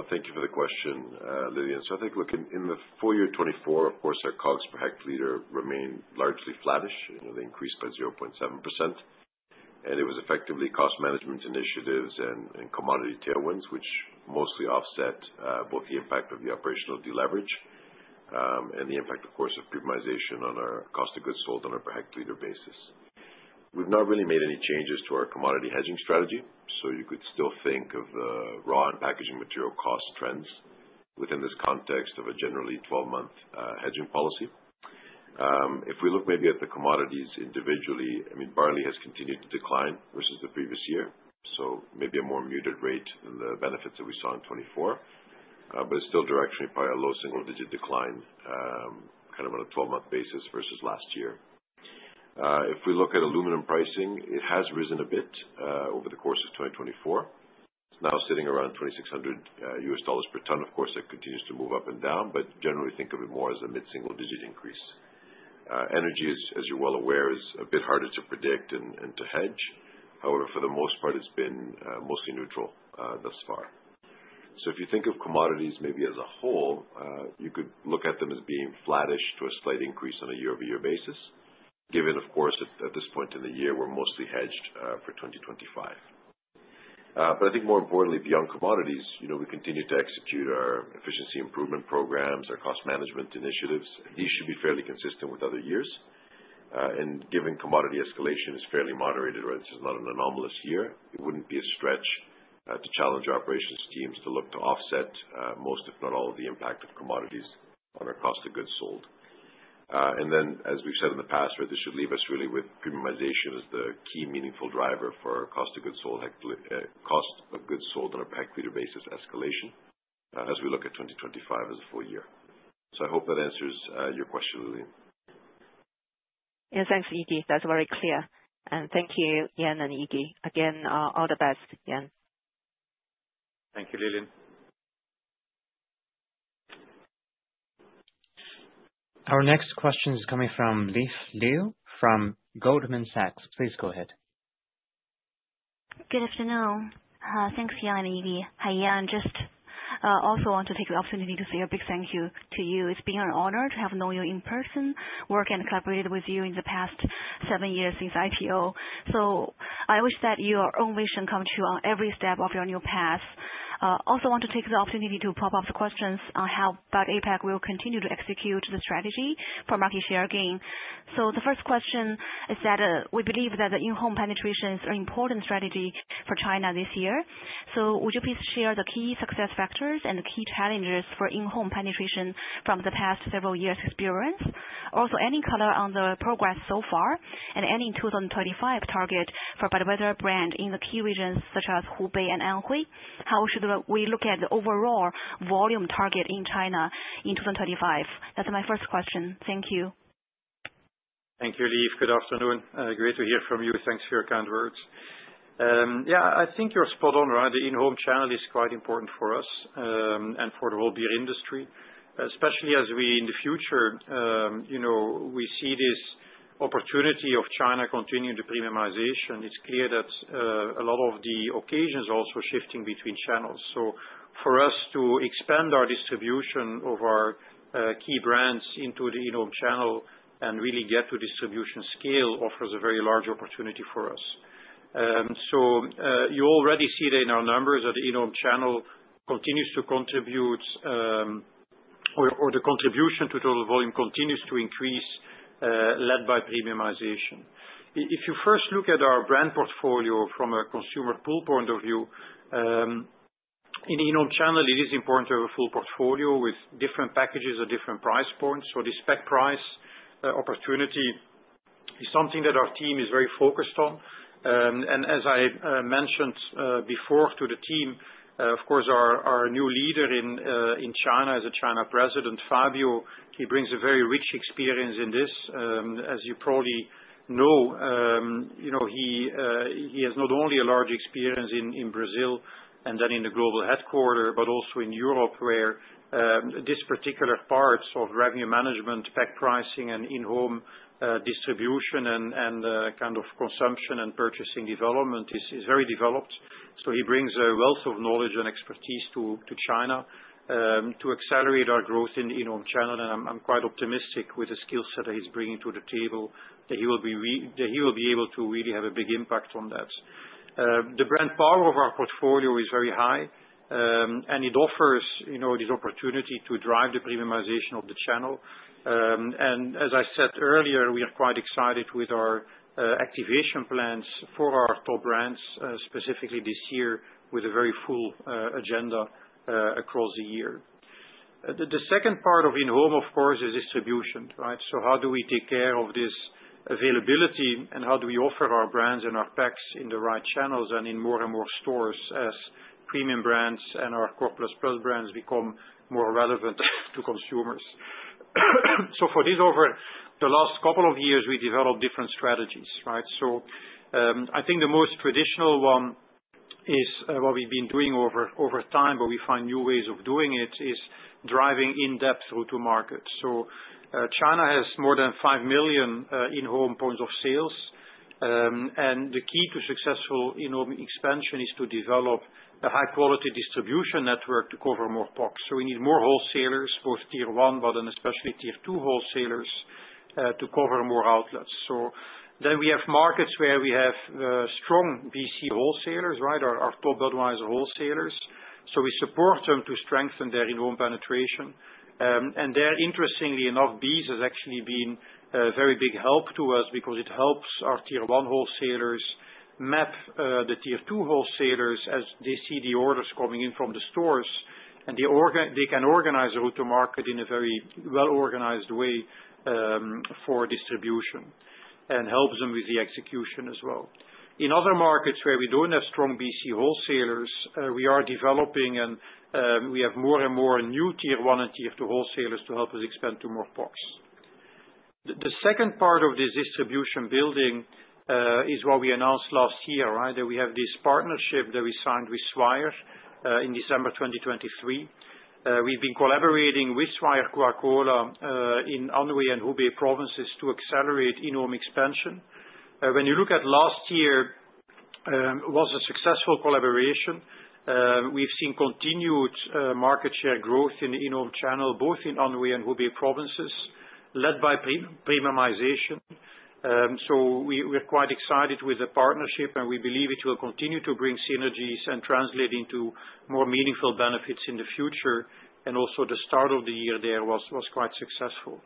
Thank you for the question, Lillian, so I think looking in the full year 2024, of course, our cost per hectoliter remains largely flattish. They increased by 0.7%, and it was effectively cost management initiatives and commodity tailwinds, which mostly offset both the impact of the operational deleverage and the impact, of course, of premiumization on our cost of goods sold on a per hectoliter basis. We've not really made any changes to our commodity hedging strategy. So you could still think of the raw and packaging material cost trends within this context of a generally 12-month hedging policy. If we look maybe at the commodities individually, I mean, barley has continued to decline versus the previous year. Maybe a more muted rate than the benefits that we saw in 2024, but it's still directionally probably a low single-digit decline kind of on a 12-month basis versus last year. If we look at aluminum pricing, it has risen a bit over the course of 2024. It's now sitting around $3,600 per ton. Of course, it continues to move up and down, but generally think of it more as a mid-single-digit increase. Energy, as you're well aware, is a bit harder to predict and to hedge. However, for the most part, it's been mostly neutral thus far. If you think of commodities maybe as a whole, you could look at them as being flattish to a slight increase on a year-over-year basis, given, of course, at this point in the year, we're mostly hedged for 2025. But I think more importantly, beyond commodities, we continue to execute our efficiency improvement programs, our cost management initiatives. These should be fairly consistent with other years. And given commodity escalation is fairly moderated, right? This is not an anomalous year. It wouldn't be a stretch to challenge our operations teams to look to offset most, if not all, of the impact of commodities on our cost of goods sold. And then, as we've said in the past, right, this should leave us really with premiumization as the key meaningful driver for cost of goods sold, cost of goods sold on a per hectoliter basis escalation as we look at 2025 as a full year. So I hope that answers your question, Lillian. Yeah, thanks, Iggy. That's very clear. And thank you, Jan and Iggy. Again, all the best, Jan. Thank you, Lillian. Our next question is coming from Leaf Liu from Goldman Sachs. Please go ahead. Good afternoon. Thanks, Jan and Iggy. Hi, Jan. Just also want to take the opportunity to say a big thank you to you. It's been an honor to have known you in person, worked and collaborated with you in the past seven years since IPO. So I wish that your own vision comes to every step of your new path. Also want to take the opportunity to pop up the questions on how APAC will continue to execute the strategy for market share gain. So the first question is that we believe that the in-home penetration is an important strategy for China this year. So would you please share the key success factors and the key challenges for in-home penetration from the past several years' experience? Also, any color on the progress so far and any 2025 target for Budweiser brand in the key regions such as Hubei and Anhui? How should we look at the overall volume target in China in 2025? That's my first question. Thank you. Thank you, Leaf. Good afternoon. Great to hear from you. Thanks for your kind words. Yeah, I think you're spot on, right? The in-home channel is quite important for us and for the whole beer industry, especially as we in the future, we see this opportunity of China continuing the premiumization. It's clear that a lot of the occasions are also shifting between channels. So for us to expand our distribution of our key brands into the in-home channel and really get to distribution scale offers a very large opportunity for us. So you already see it in our numbers that the in-home channel continues to contribute, or the contribution to total volume continues to increase led by premiumization. If you first look at our brand portfolio from a consumer pool point of view, in the in-home channel, it is important to have a full portfolio with different packages at different price points, so the pack price opportunity is something that our team is very focused on, and as I mentioned before to the team, of course, our new leader in China is our China President, Fabio. He brings a very rich experience in this. As you probably know, he has not only a large experience in Brazil and then in the global headquarters, but also in Europe, where this particular part of revenue management, pack pricing, and in-home distribution and kind of consumption and purchasing development is very developed, so he brings a wealth of knowledge and expertise to China to accelerate our growth in the in-home channel. I'm quite optimistic with the skill set that he's bringing to the table, that he will be able to really have a big impact on that. The brand power of our portfolio is very high, and it offers this opportunity to drive the premiumization of the channel. And as I said earlier, we are quite excited with our activation plans for our top brands, specifically this year, with a very full agenda across the year. The second part of in-home, of course, is distribution, right? So how do we take care of this availability, and how do we offer our brands and our packs in the right channels and in more and more stores as premium brands and our Core Plus brands become more relevant to consumers? So for this, over the last couple of years, we developed different strategies, right? I think the most traditional one is what we've been doing over time, but we find new ways of doing it: driving in-depth route to market. China has more than five million in-home points of sales. The key to successful in-home expansion is to develop a high-quality distribution network to cover more POCs. We need more wholesalers, both tier one, but then especially tier two wholesalers to cover more outlets. We have markets where we have strong BEES wholesalers, right? Our top Budweiser wholesalers. We support them to strengthen their in-home penetration. There, interestingly enough, BEES has actually been a very big help to us because it helps our tier one wholesalers map the tier two wholesalers as they see the orders coming in from the stores. They can organize route to market in a very well-organized way for distribution and helps them with the execution as well. In other markets where we don't have strong BEES wholesalers, we are developing and we have more and more new tier one and tier two wholesalers to help us expand to more POCs. The second part of this distribution building is what we announced last year, right? That we have this partnership that we signed with Swire in December 2023. We've been collaborating with Swire Coca-Cola in Anhui and Hubei provinces to accelerate in-home expansion. When you look at last year, it was a successful collaboration. We've seen continued market share growth in the in-home channel, both in Anhui and Hubei provinces, led by premiumization. We're quite excited with the partnership, and we believe it will continue to bring synergies and translate into more meaningful benefits in the future. And also the start of the year there was quite successful.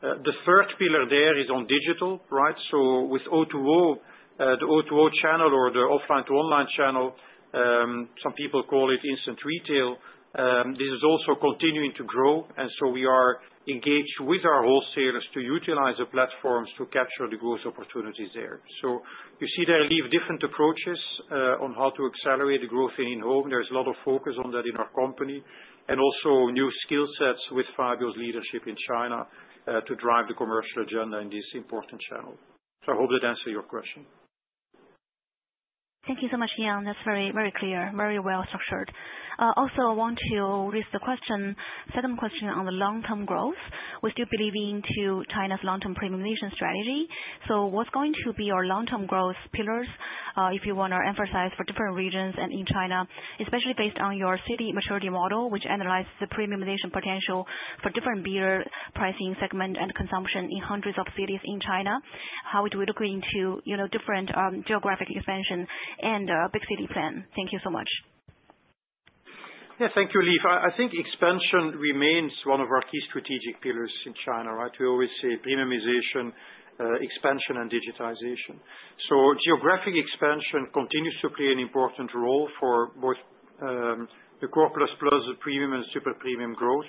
The third pillar there is on digital, right? So with O2O, the O2O channel or the offline to online channel, some people call it instant retail. This is also continuing to grow. And so we are engaged with our wholesalers to utilize the platforms to capture the growth opportunities there. So you see there are different approaches on how to accelerate the growth in-home. There's a lot of focus on that in our company and also new skill sets with Fabio's leadership in China to drive the commercial agenda in this important channel. So I hope that answers your question. Thank you so much, Jan. That's very, very clear, very well structured. Also, I want to raise the question, second question on the long-term growth. We're still believing to China's long-term premiumization strategy. So what's going to be our long-term growth pillars, if you want to emphasize for different regions and in China, especially based on your city maturity model, which analyzes the premiumization potential for different beer pricing segment and consumption in hundreds of cities in China? How would we look into different geographic expansion and big city plan? Thank you so much. Yeah, thank you, Leaf. I think expansion remains one of our key strategic pillars in China, right? We always say premiumization, expansion, and digitization. So geographic expansion continues to play an important role for both the Core Plus premium and super premium growth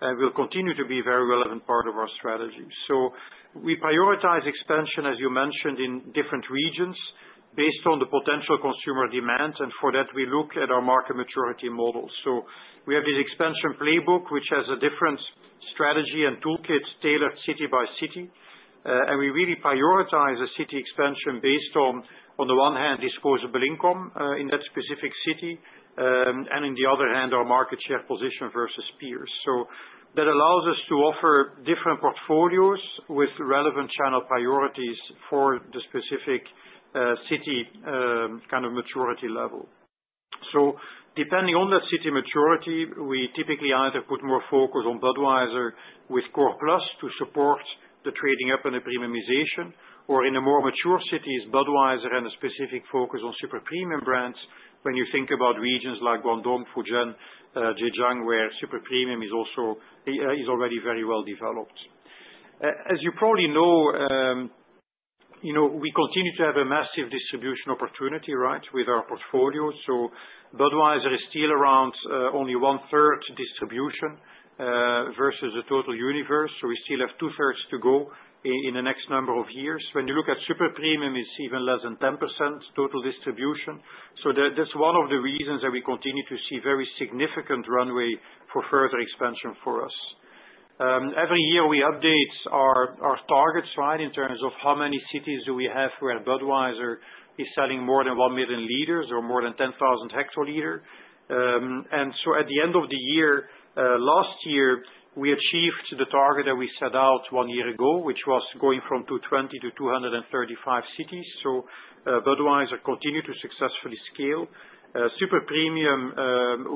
and will continue to be a very relevant part of our strategy. So we prioritize expansion, as you mentioned, in different regions based on the potential consumer demand. And for that, we look at our market maturity model. So we have this expansion playbook, which has a different strategy and toolkit tailored city by city. And we really prioritize a city expansion based on, on the one hand, disposable income in that specific city and in the other hand, our market share position versus peers. So that allows us to offer different portfolios with relevant channel priorities for the specific city kind of maturity level. So depending on that city maturity, we typically either put more focus on Budweiser with Core Plus to support the trading up and the premiumization, or in the more mature cities, Budweiser and a specific focus on super premium brands when you think about regions like Guangdong, Fujian, Zhejiang, where super premium is also AI already very well developed. As you probably know, we continue to have a massive distribution opportunity, right, with our portfolio. So Budweiser is still around only one-third distribution versus the total universe. So we still have two-thirds to go in the next number of years. When you look at super premium, it's even less than 10% total distribution. So that's one of the reasons that we continue to see very significant runway for further expansion for us. Every year, we update our targets, right, in terms of how many cities do we have where Budweiser is selling more than one million liters or more than 10,000 hectoliters. And so at the end of the year, last year, we achieved the target that we set out one year ago, which was going from 220 to 235 cities. So Budweiser continued to successfully scale. Super premium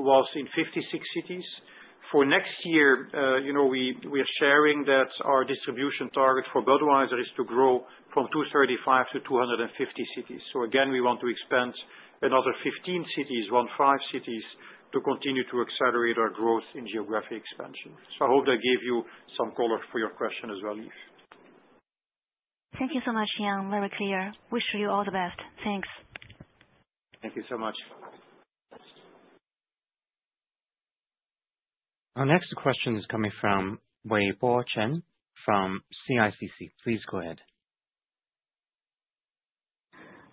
was in 56 cities. For next year, we are sharing that our distribution target for Budweiser is to grow from 235 to 250 cities. So again, we want to expand another 15 cities, 15 cities to continue to accelerate our growth in geographic expansion. So I hope that gave you some color for your question as well, Leaf. Thank you so much, Jan. Very clear. Wish you all the best. Thanks. Thank you so much. Our next question is coming from Wu Bo Chen from CICC. Please go ahead.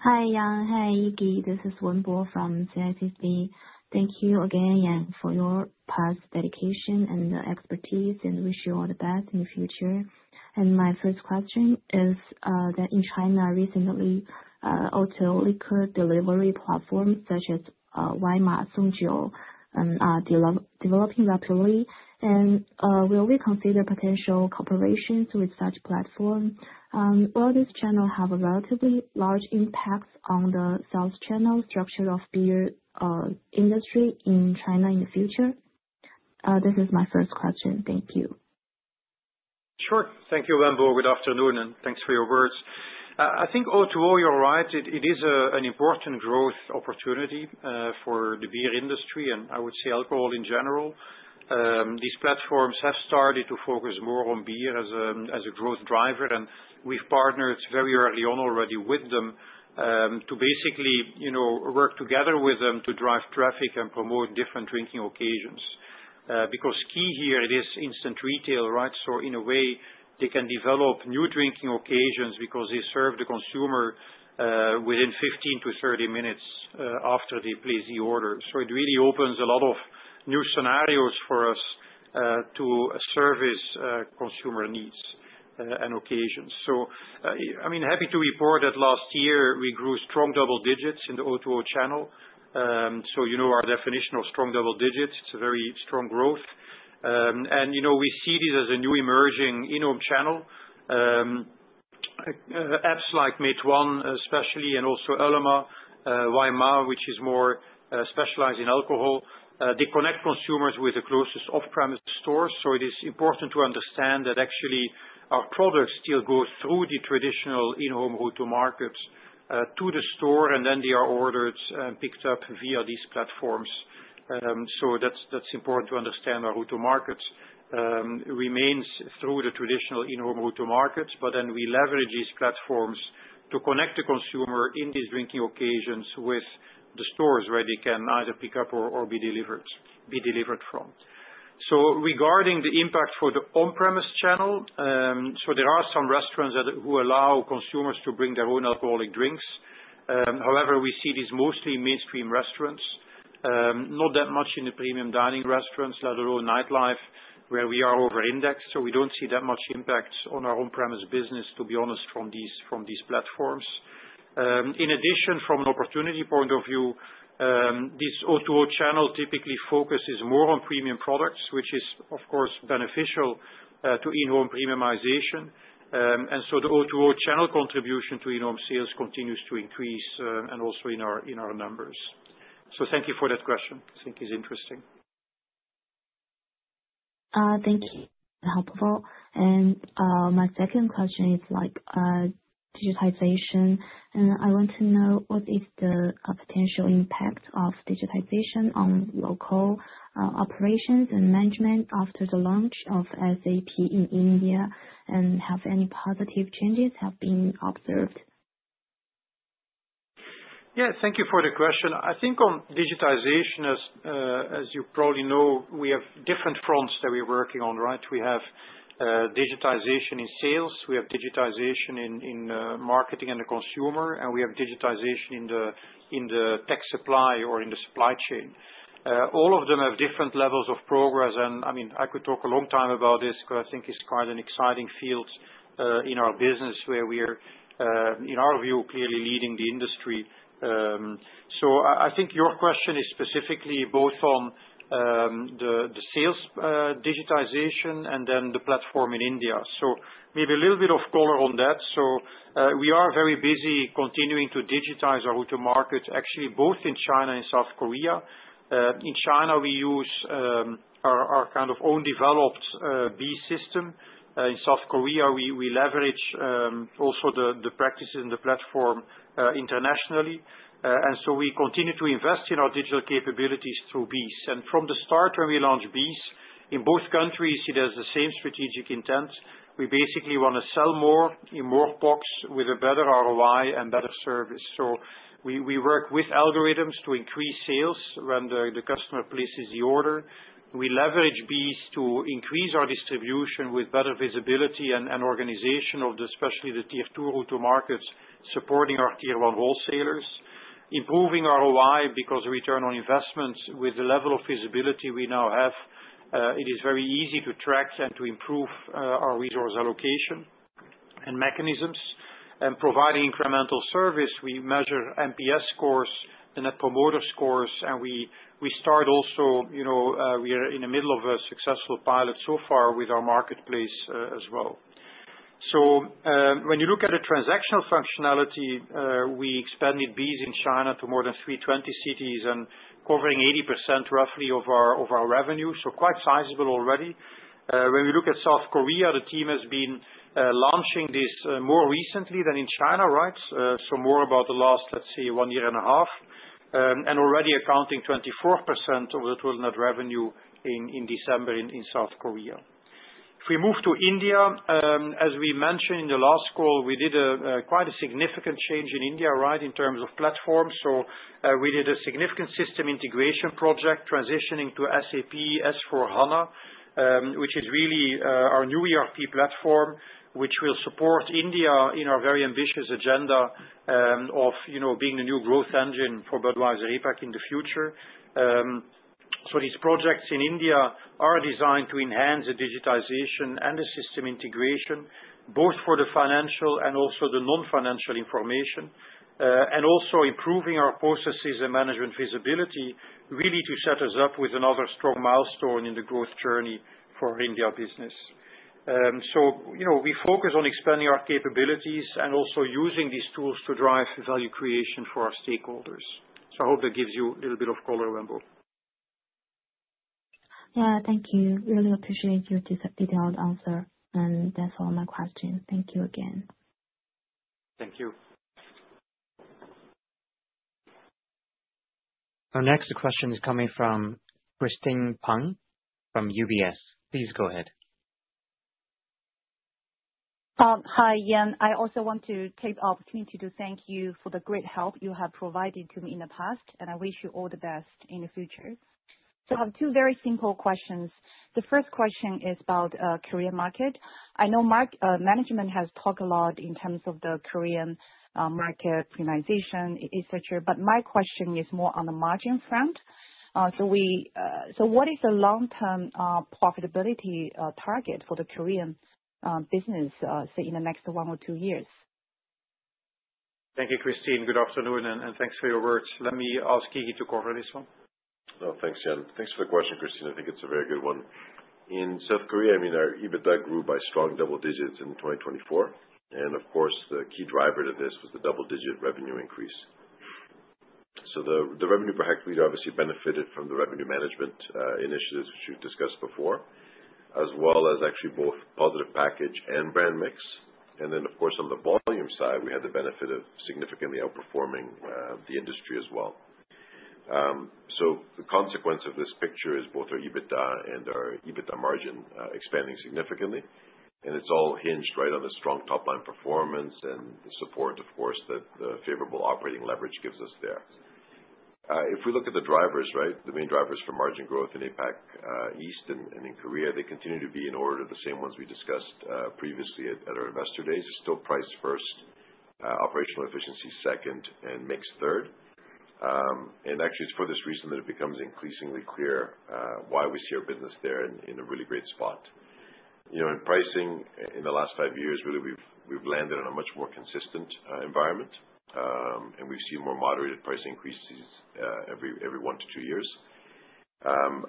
Hi, Jan. Hi, Iggy. This is Wu Bo from CICC. Thank you again, Jan, for your past dedication and expertise, and wish you all the best in the future. And my first question is that in China, recently, O2O liquor delivery platforms such as Waimai, Songjiu, are developing rapidly, and will we consider potential cooperations with such platforms? Will this channel have a relatively large impact on the sales channel structure of beer industry in China in the future? This is my first question. Thank you. Sure. Thank you, Wu Bo. Good afternoon, and thanks for your words. I think all in all, you're right. It is an important growth opportunity for the beer industry and I would say alcohol in general. These platforms have started to focus more on beer as a growth driver, and we've partnered very early on already with them to basically work together with them to drive traffic and promote different drinking occasions. Because key here, it is instant retail, right? So in a way, they can develop new drinking occasions because they serve the consumer within 15-30 minutes after they place the order. So it really opens a lot of new scenarios for us to service consumer needs and occasions. So I mean, happy to report that last year, we grew strong double digits in the O2O channel. So you know our definition of strong double digits. It's a very strong growth, and we see this as a new emerging in-home channel. Apps like Meituan, especially, and also Ele.me, Wai Mai, which is more specialized in alcohol, they connect consumers with the closest off-premise stores, so it is important to understand that actually our products still go through the traditional in-home route to markets to the store, and then they are ordered and picked up via these platforms. So that's important to understand our route to markets remains through the traditional in-home route to markets, but then we leverage these platforms to connect the consumer in these drinking occasions with the stores where they can either pick up or be delivered from. So regarding the impact for the on-premise channel, so there are some restaurants who allow consumers to bring their own alcoholic drinks. However, we see this mostly in mainstream restaurants, not that much in the premium dining restaurants, let alone nightlife, where we are overindexed. So we don't see that much impact on our on-premise business, to be honest, from these platforms. In addition, from an opportunity point of view, this O2O channel typically focuses more on premium products, which is, of course, beneficial to in-home premiumization. And so the O2O channel contribution to in-home sales continues to increase and also in our numbers. So thank you for that question. I think it's interesting. Thank you. Helpful. And my second question is like digitization. And I want to know what is the potential impact of digitization on local operations and management after the launch of SAP in India? And have any positive changes been observed? Yeah, thank you for the question. I think on digitization, as you probably know, we have different fronts that we're working on, right? We have digitization in sales, we have digitization in marketing and the consumer, and we have digitization in the tech supply or in the supply chain. All of them have different levels of progress. And I mean, I could talk a long time about this because I think it's quite an exciting field in our business where we are, in our view, clearly leading the industry. So I think your question is specifically both on the sales digitization and then the platform in India. So maybe a little bit of color on that. So we are very busy continuing to digitize our route to market, actually, both in China and South Korea. In China, we use our kind of own developed BEES system. In South Korea, we leverage also the practices and the platform internationally, and so we continue to invest in our digital capabilities through BEES. From the start, when we launched BEES in both countries, it has the same strategic intent. We basically want to sell more in more POCs with a better ROI and better service. So we work with algorithms to increase sales when the customer places the order. We leverage BEES to increase our distribution with better visibility and organization of especially the tier two route to markets, supporting our tier one wholesalers, improving ROI because we turn on investments. With the level of visibility we now have, it is very easy to track and to improve our resource allocation and mechanisms, and providing incremental service, we measure NPS scores and net promoter scores. We start also. We are in the middle of a successful pilot so far with our marketplace as well. So when you look at the transactional functionality, we expanded BEES in China to more than 320 cities and covering 80% roughly of our revenue. So quite sizable already. When we look at South Korea, the team has been launching this more recently than in China, right? So more about the last, let's say, one year and a half, and already accounting 24% of the total net revenue in December in South Korea. If we move to India, as we mentioned in the last call, we did quite a significant change in India, right, in terms of platforms. We did a significant system integration project transitioning to SAP S/4HANA, which is really our new ERP platform, which will support India in our very ambitious agenda of being the new growth engine for Budweiser APAC in the future. These projects in India are designed to enhance the digitization and the system integration, both for the financial and also the non-financial information, and also improving our processes and management visibility, really to set us up with another strong milestone in the growth journey for India business. We focus on expanding our capabilities and also using these tools to drive value creation for our stakeholders. I hope that gives you a little bit of color, Wu Bo. Yeah, thank you. Really appreciate your detailed answer, and that's all my questions. Thank you again. Thank you. Our next question is coming from Christine Peng from UBS. Please go ahead. Hi, Jan. I also want to take the opportunity to thank you for the great help you have provided to me in the past, and I wish you all the best in the future. So I have two very simple questions. The first question is about the Korean market. I know management has talked a lot in terms of the Korean market premiumization, etc., but my question is more on the margin front. So what is the long-term profitability target for the Korean business in the next one or two years? Thank you, Christine. Good afternoon, and thanks for your words. Let me ask Iggy to cover this one. Oh, thanks, Jan. Thanks for the question, Christine. I think it's a very good one. In South Korea, I mean, our EBITDA grew by strong double digits in 2024. Of course, the key driver to this was the double-digit revenue increase. The revenue per hectoliter obviously benefited from the revenue management initiatives which we've discussed before, as well as actually both positive package and brand mix. Then, of course, on the volume side, we had the benefit of significantly outperforming the industry as well. The consequence of this picture is both our EBITDA and our EBITDA margin expanding significantly. It's all hinged right on the strong top-line performance and the support, of course, that the favorable operating leverage gives us there. If we look at the drivers, right, the main drivers for margin growth in APAC East and in Korea, they continue to be in order the same ones we discussed previously at our Investor Days. It's still price first, operational efficiency second, and mixed third. And actually, it's for this reason that it becomes increasingly clear why we see our business there in a really great spot. In pricing, in the last five years, really, we've landed on a much more consistent environment, and we've seen more moderated price increases every one to two years.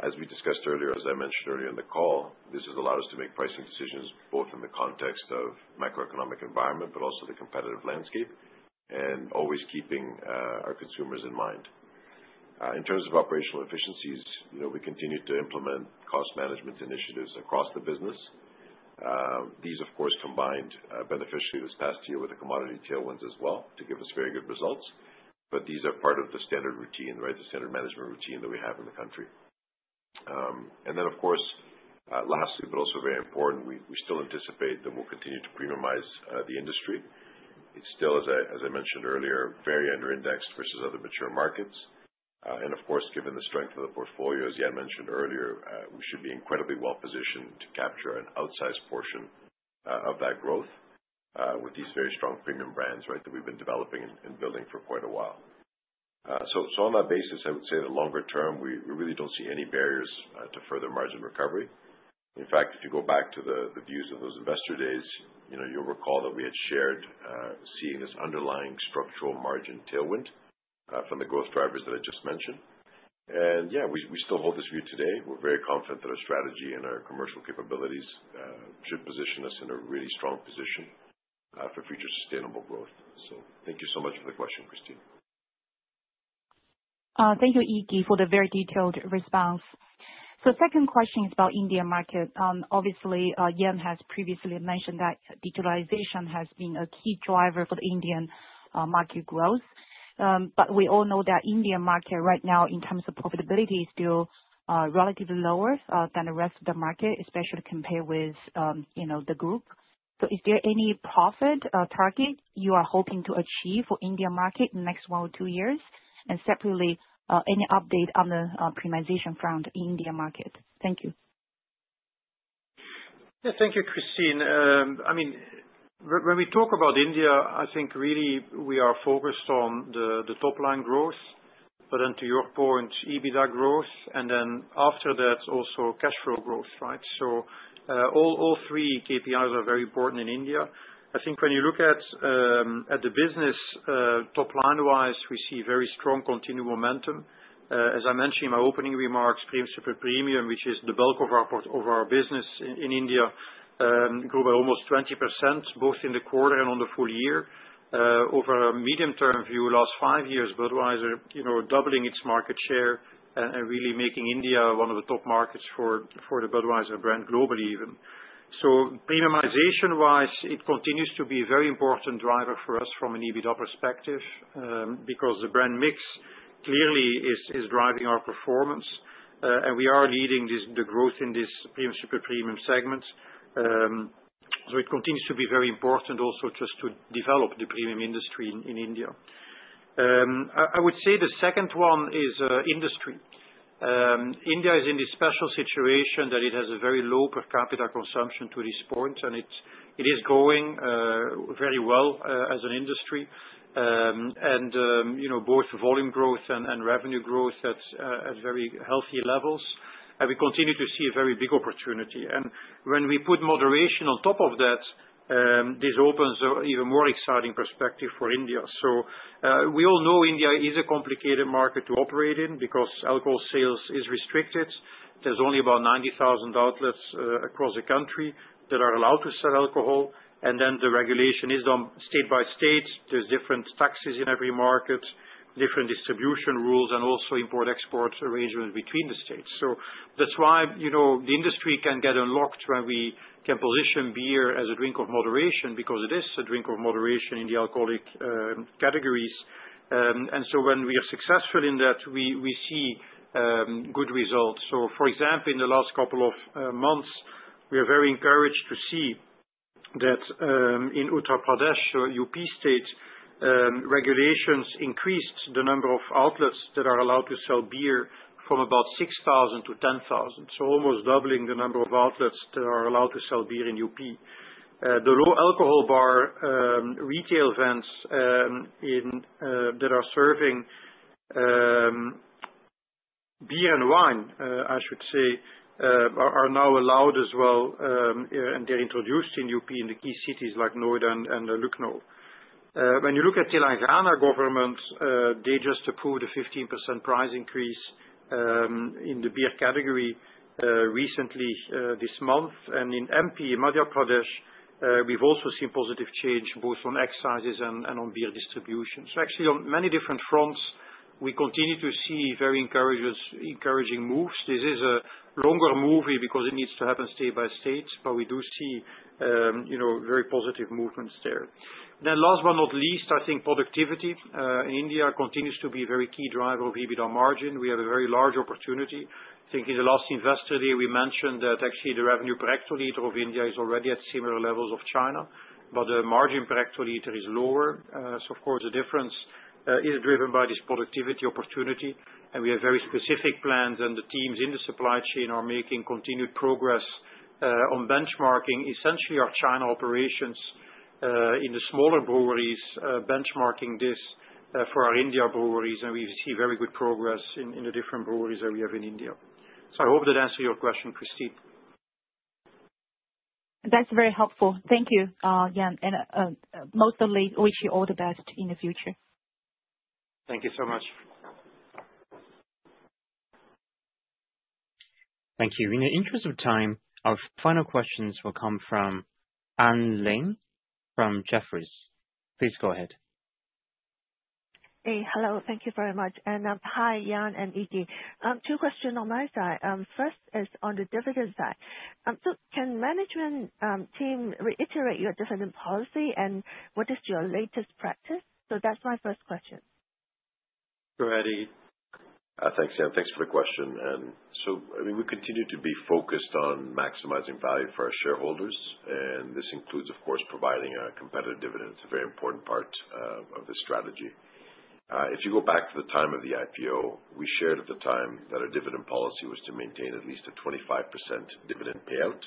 As we discussed earlier, as I mentioned earlier in the call, this has allowed us to make pricing decisions both in the context of macroeconomic environment, but also the competitive landscape, and always keeping our consumers in mind. In terms of operational efficiencies, we continue to implement cost management initiatives across the business. These, of course, combined beneficially this past year with the commodity tailwinds as well to give us very good results. But these are part of the standard routine, right, the standard management routine that we have in the country. And then, of course, lastly, but also very important, we still anticipate that we'll continue to preimmunize the industry. It's still, as I mentioned earlier, very under indexed versus other mature markets. And of course, given the strength of the portfolio, as Jan mentioned earlier, we should be incredibly well positioned to capture an outsized portion of that growth with these very strong premium brands, right, that we've been developing and building for quite a while. So on that basis, I would say in the longer term, we really don't see any barriers to further margin recovery. In fact, if you go back to the views of those Investor Days, you'll recall that we had shared seeing this underlying structural margin tailwind from the growth drivers that I just mentioned. And yeah, we still hold this view today. We're very confident that our strategy and our commercial capabilities should position us in a really strong position for future sustainable growth. So thank you so much for the question, Christine. Thank you, Iggy, for the very detailed response. So second question is about India market. Obviously, Jan has previously mentioned that digitalization has been a key driver for the Indian market growth. But we all know that Indian market right now, in terms of profitability, is still relatively lower than the rest of the market, especially compared with the group. So is there any profit target you are hoping to achieve for India market in the next one or two years? And separately, any update on the premiumization front in India market? Thank you. Yeah, thank you, Christine I mean, when we talk about India, I think really we are focused on the top-line growth, but then to your point, EBITDA growth, and then after that, also cash flow growth, right? So all three KPIs are very important in India. I think when you look at the business top-line-wise, we see very strong continued momentum. As I mentioned in my opening remarks, premium super premium, which is the bulk of our business in India, grew by almost 20% both in the quarter and on the full year. Over a medium-term view, last five years, Budweiser doubling its market share and really making India one of the top markets for the Budweiser brand globally even. So premiumization-wise, it continues to be a very important driver for us from an EBITDA perspective because the brand mix clearly is driving our performance. We are leading the growth in this premium super premium segment, so it continues to be very important also just to develop the premium industry in India. I would say the second one is industry. India is in this special situation that it has a very low per capita consumption to this point, and it is growing very well as an industry, and both volume growth and revenue growth at very healthy levels. We continue to see a very big opportunity, and when we put moderation on top of that, this opens an even more exciting perspective for India. We all know India is a complicated market to operate in because alcohol sales is restricted. There's only about 90,000 outlets across the country that are allowed to sell alcohol, and then the regulation is done state by state. There's different taxes in every market, different distribution rules, and also import-export arrangements between the states. So that's why the industry can get unlocked when we can position beer as a drink of moderation because it is a drink of moderation in the alcoholic categories, and so when we are successful in that, we see good results, so for example, in the last couple of months, we are very encouraged to see that in Uttar Pradesh, UP state, regulations increased the number of outlets that are allowed to sell beer from about 6,000 to 10,000, so almost doubling the number of outlets that are allowed to sell beer in UP. The low alcohol bar retail outlets that are serving beer and wine, I should say, are now allowed as well, and they're introduced in UP in the key cities like Noida and Lucknow. When you look at Telangana government, they just approved a 15% price increase in the beer category recently this month, and in MP, Madhya Pradesh, we've also seen positive change both on excises and on beer distribution, so actually, on many different fronts, we continue to see very encouraging moves. This is a longer movie because it needs to happen state by state, but we do see very positive movements there, then last but not least, I think productivity in India continues to be a very key driver of EBITDA margin. We have a very large opportunity. I think in the last investor day, we mentioned that actually the revenue per hectoliter of India is already at similar levels of China, but the margin per hectoliter is lower. So of course, the difference is driven by this productivity opportunity. We have very specific plans, and the teams in the supply chain are making continued progress on benchmarking essentially our China operations in the smaller breweries, benchmarking this for our India breweries. We see very good progress in the different breweries that we have in India. I hope that answers your question, Christine. That's very helpful. Thank you, Jan. Mostly, I wish you all the best in the future. Thank you so much. Thank you. In the interest of time, our final questions will come from Anne Ling from Jefferies. Please go ahead. Hey, hello. Thank you very much. And hi, Jan and Iggy. Two questions on my side. First is on the dividend side. So can the management team reiterate your dividend policy and what is your latest practice? So that's my first question. Go, Iggy. Thanks, Jan. Thanks for the question. And so I mean, we continue to be focused on maximizing value for our shareholders. And this includes, of course, providing a competitive dividend. It's a very important part of the strategy. If you go back to the time of the IPO, we shared at the time that our dividend policy was to maintain at least a 25% dividend payout.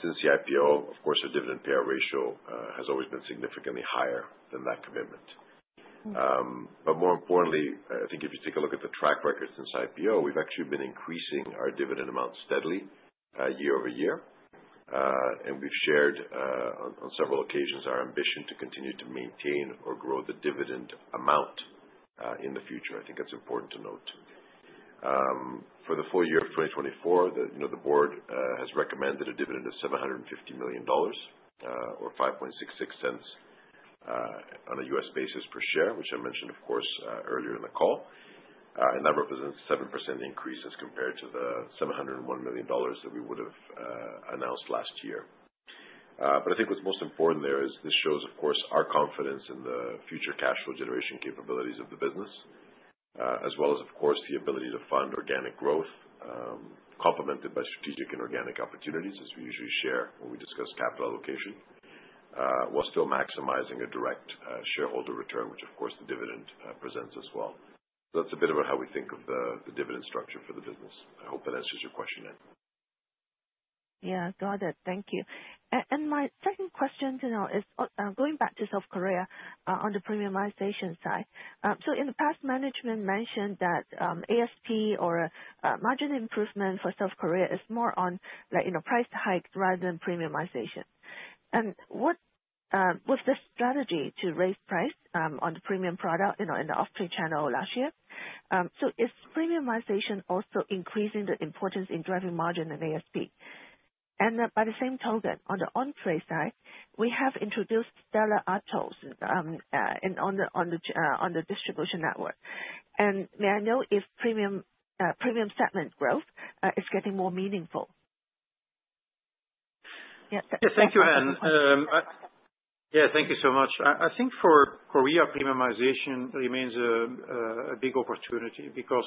Since the IPO, of course, our dividend payout ratio has always been significantly higher than that commitment. But more importantly, I think if you take a look at the track record since IPO, we've actually been increasing our dividend amount steadily year over year. And we've shared on several occasions our ambition to continue to maintain or grow the dividend amount in the future. I think that's important to note. For the full year of 2024, the board has recommended a dividend of $750 million or $0.0566 on a U.S. basis per share, which I mentioned, of course, earlier in the call. That represents a 7% increase as compared to the $701 million that we would have announced last year. I think what's most important there is this shows, of course, our confidence in the future cash flow generation capabilities of the business, as well as, of course, the ability to fund organic growth complemented by strategic and organic opportunities, as we usually share when we discuss capital allocation, while still maximizing a direct shareholder return, which, of course, the dividend presents as well. That's a bit about how we think of the dividend structure for the business. I hope that answers your question, Anne. Yeah, got it. Thank you. And my second question is going back to South Korea on the premiumization side. So in the past, management mentioned that ASP or margin improvement for South Korea is more on price hike rather than premiumization. And with this strategy to raise price on the premium product in the off-trade channel last year, so is premiumization also increasing the importance in driving margin and ASP? And by the same token, on the on-trade side, we have introduced Stella Artois on the distribution network. And may I know if premium segment growth is getting more meaningful? Yeah. Thank you, Anne. Yeah, thank you so much. I think for Korea, premiumization remains a big opportunity because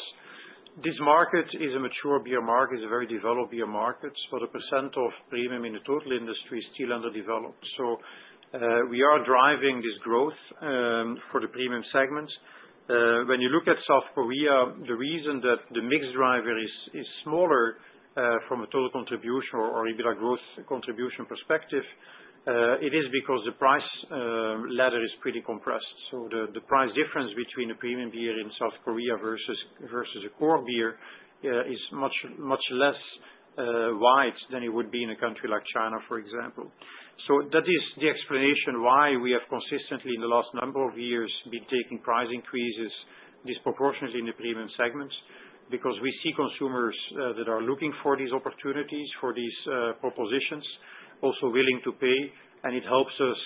this market is a mature beer market, is a very developed beer market, but the percent of premium in the total industry is still underdeveloped. So we are driving this growth for the premium segment. When you look at South Korea, the reason that the mix driver is smaller from a total contribution or EBITDA growth contribution perspective, it is because the price ladder is pretty compressed. So the price difference between a premium beer in South Korea versus a core beer is much less wide than it would be in a country like China, for example. That is the explanation why we have consistently in the last number of years been taking price increases disproportionately in the premium segments because we see consumers that are looking for these opportunities, for these propositions, also willing to pay. It helps us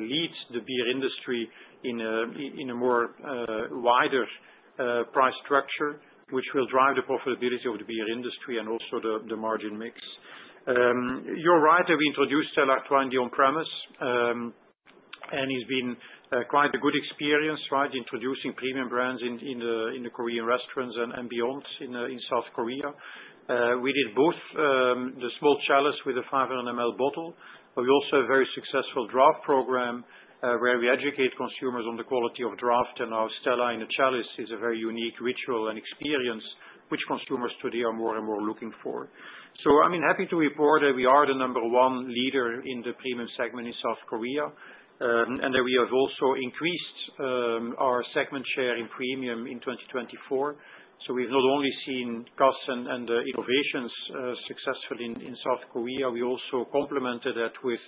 lead the beer industry in a more wider price structure, which will drive the profitability of the beer industry and also the margin mix. You are right that we introduced Stella Artois in the on-premise, and it has been quite a good experience, right, introducing premium brands in the Korean restaurants and beyond in South Korea. We did both the small chalice with a 500 ml bottle, but we also have a very successful draft program where we educate consumers on the quality of draft. Our Stella in the chalice is a very unique ritual and experience, which consumers today are more and more looking for. So I'm happy to report that we are the number one leader in the Premium segment in South Korea, and that we have also increased our segment share in Premium in 2024. So we've not only seen costs and innovations successful in South Korea, we also complemented that with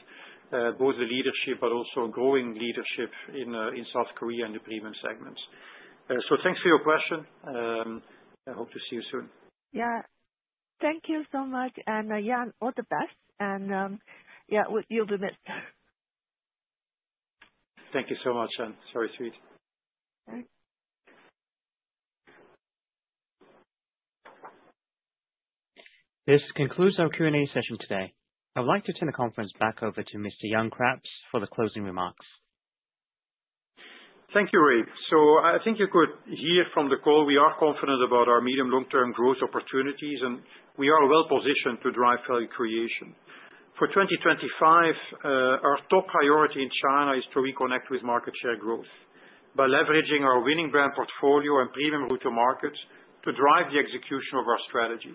both the leadership, but also growing leadership in South Korea and the Premium segments. So thanks for your question. I hope to see you soon. Yeah. Thank you so much. And Jan, all the best. And yeah, you'll be missed. Thank you so much, Anne. Sorry, sweet. This concludes our Q&A session today. I'd like to turn the conference back over to Mr. Jan Craps for the closing remarks. Thank you, Reid. So I think you could hear from the call, we are confident about our medium-long-term growth opportunities, and we are well positioned to drive value creation. For 2025, our top priority in China is to reconnect with market share growth by leveraging our winning brand portfolio and premium route to markets to drive the execution of our strategy.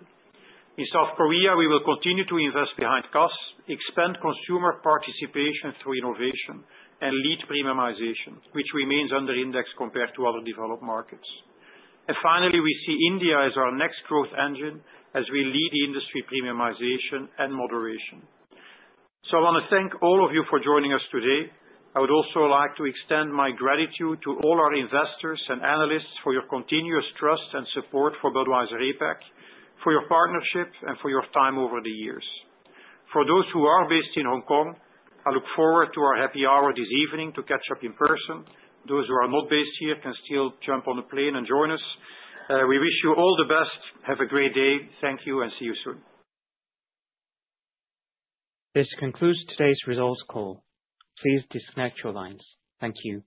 In South Korea, we will continue to invest behind costs, expand consumer participation through innovation, and lead premiumization, which remains underindexed compared to other developed markets. And finally, we see India as our next growth engine as we lead industry premiumization and moderation. So I want to thank all of you for joining us today. I would also like to extend my gratitude to all our investors and analysts for your continuous trust and support for Budweiser APAC, for your partnership, and for your time over the years. For those who are based in Hong Kong, I look forward to our happy hour this evening to catch up in person. Those who are not based here can still jump on a plane and join us. We wish you all the best. Have a great day. Thank you and see you soon. This concludes today's results call. Please disconnect your lines. Thank you.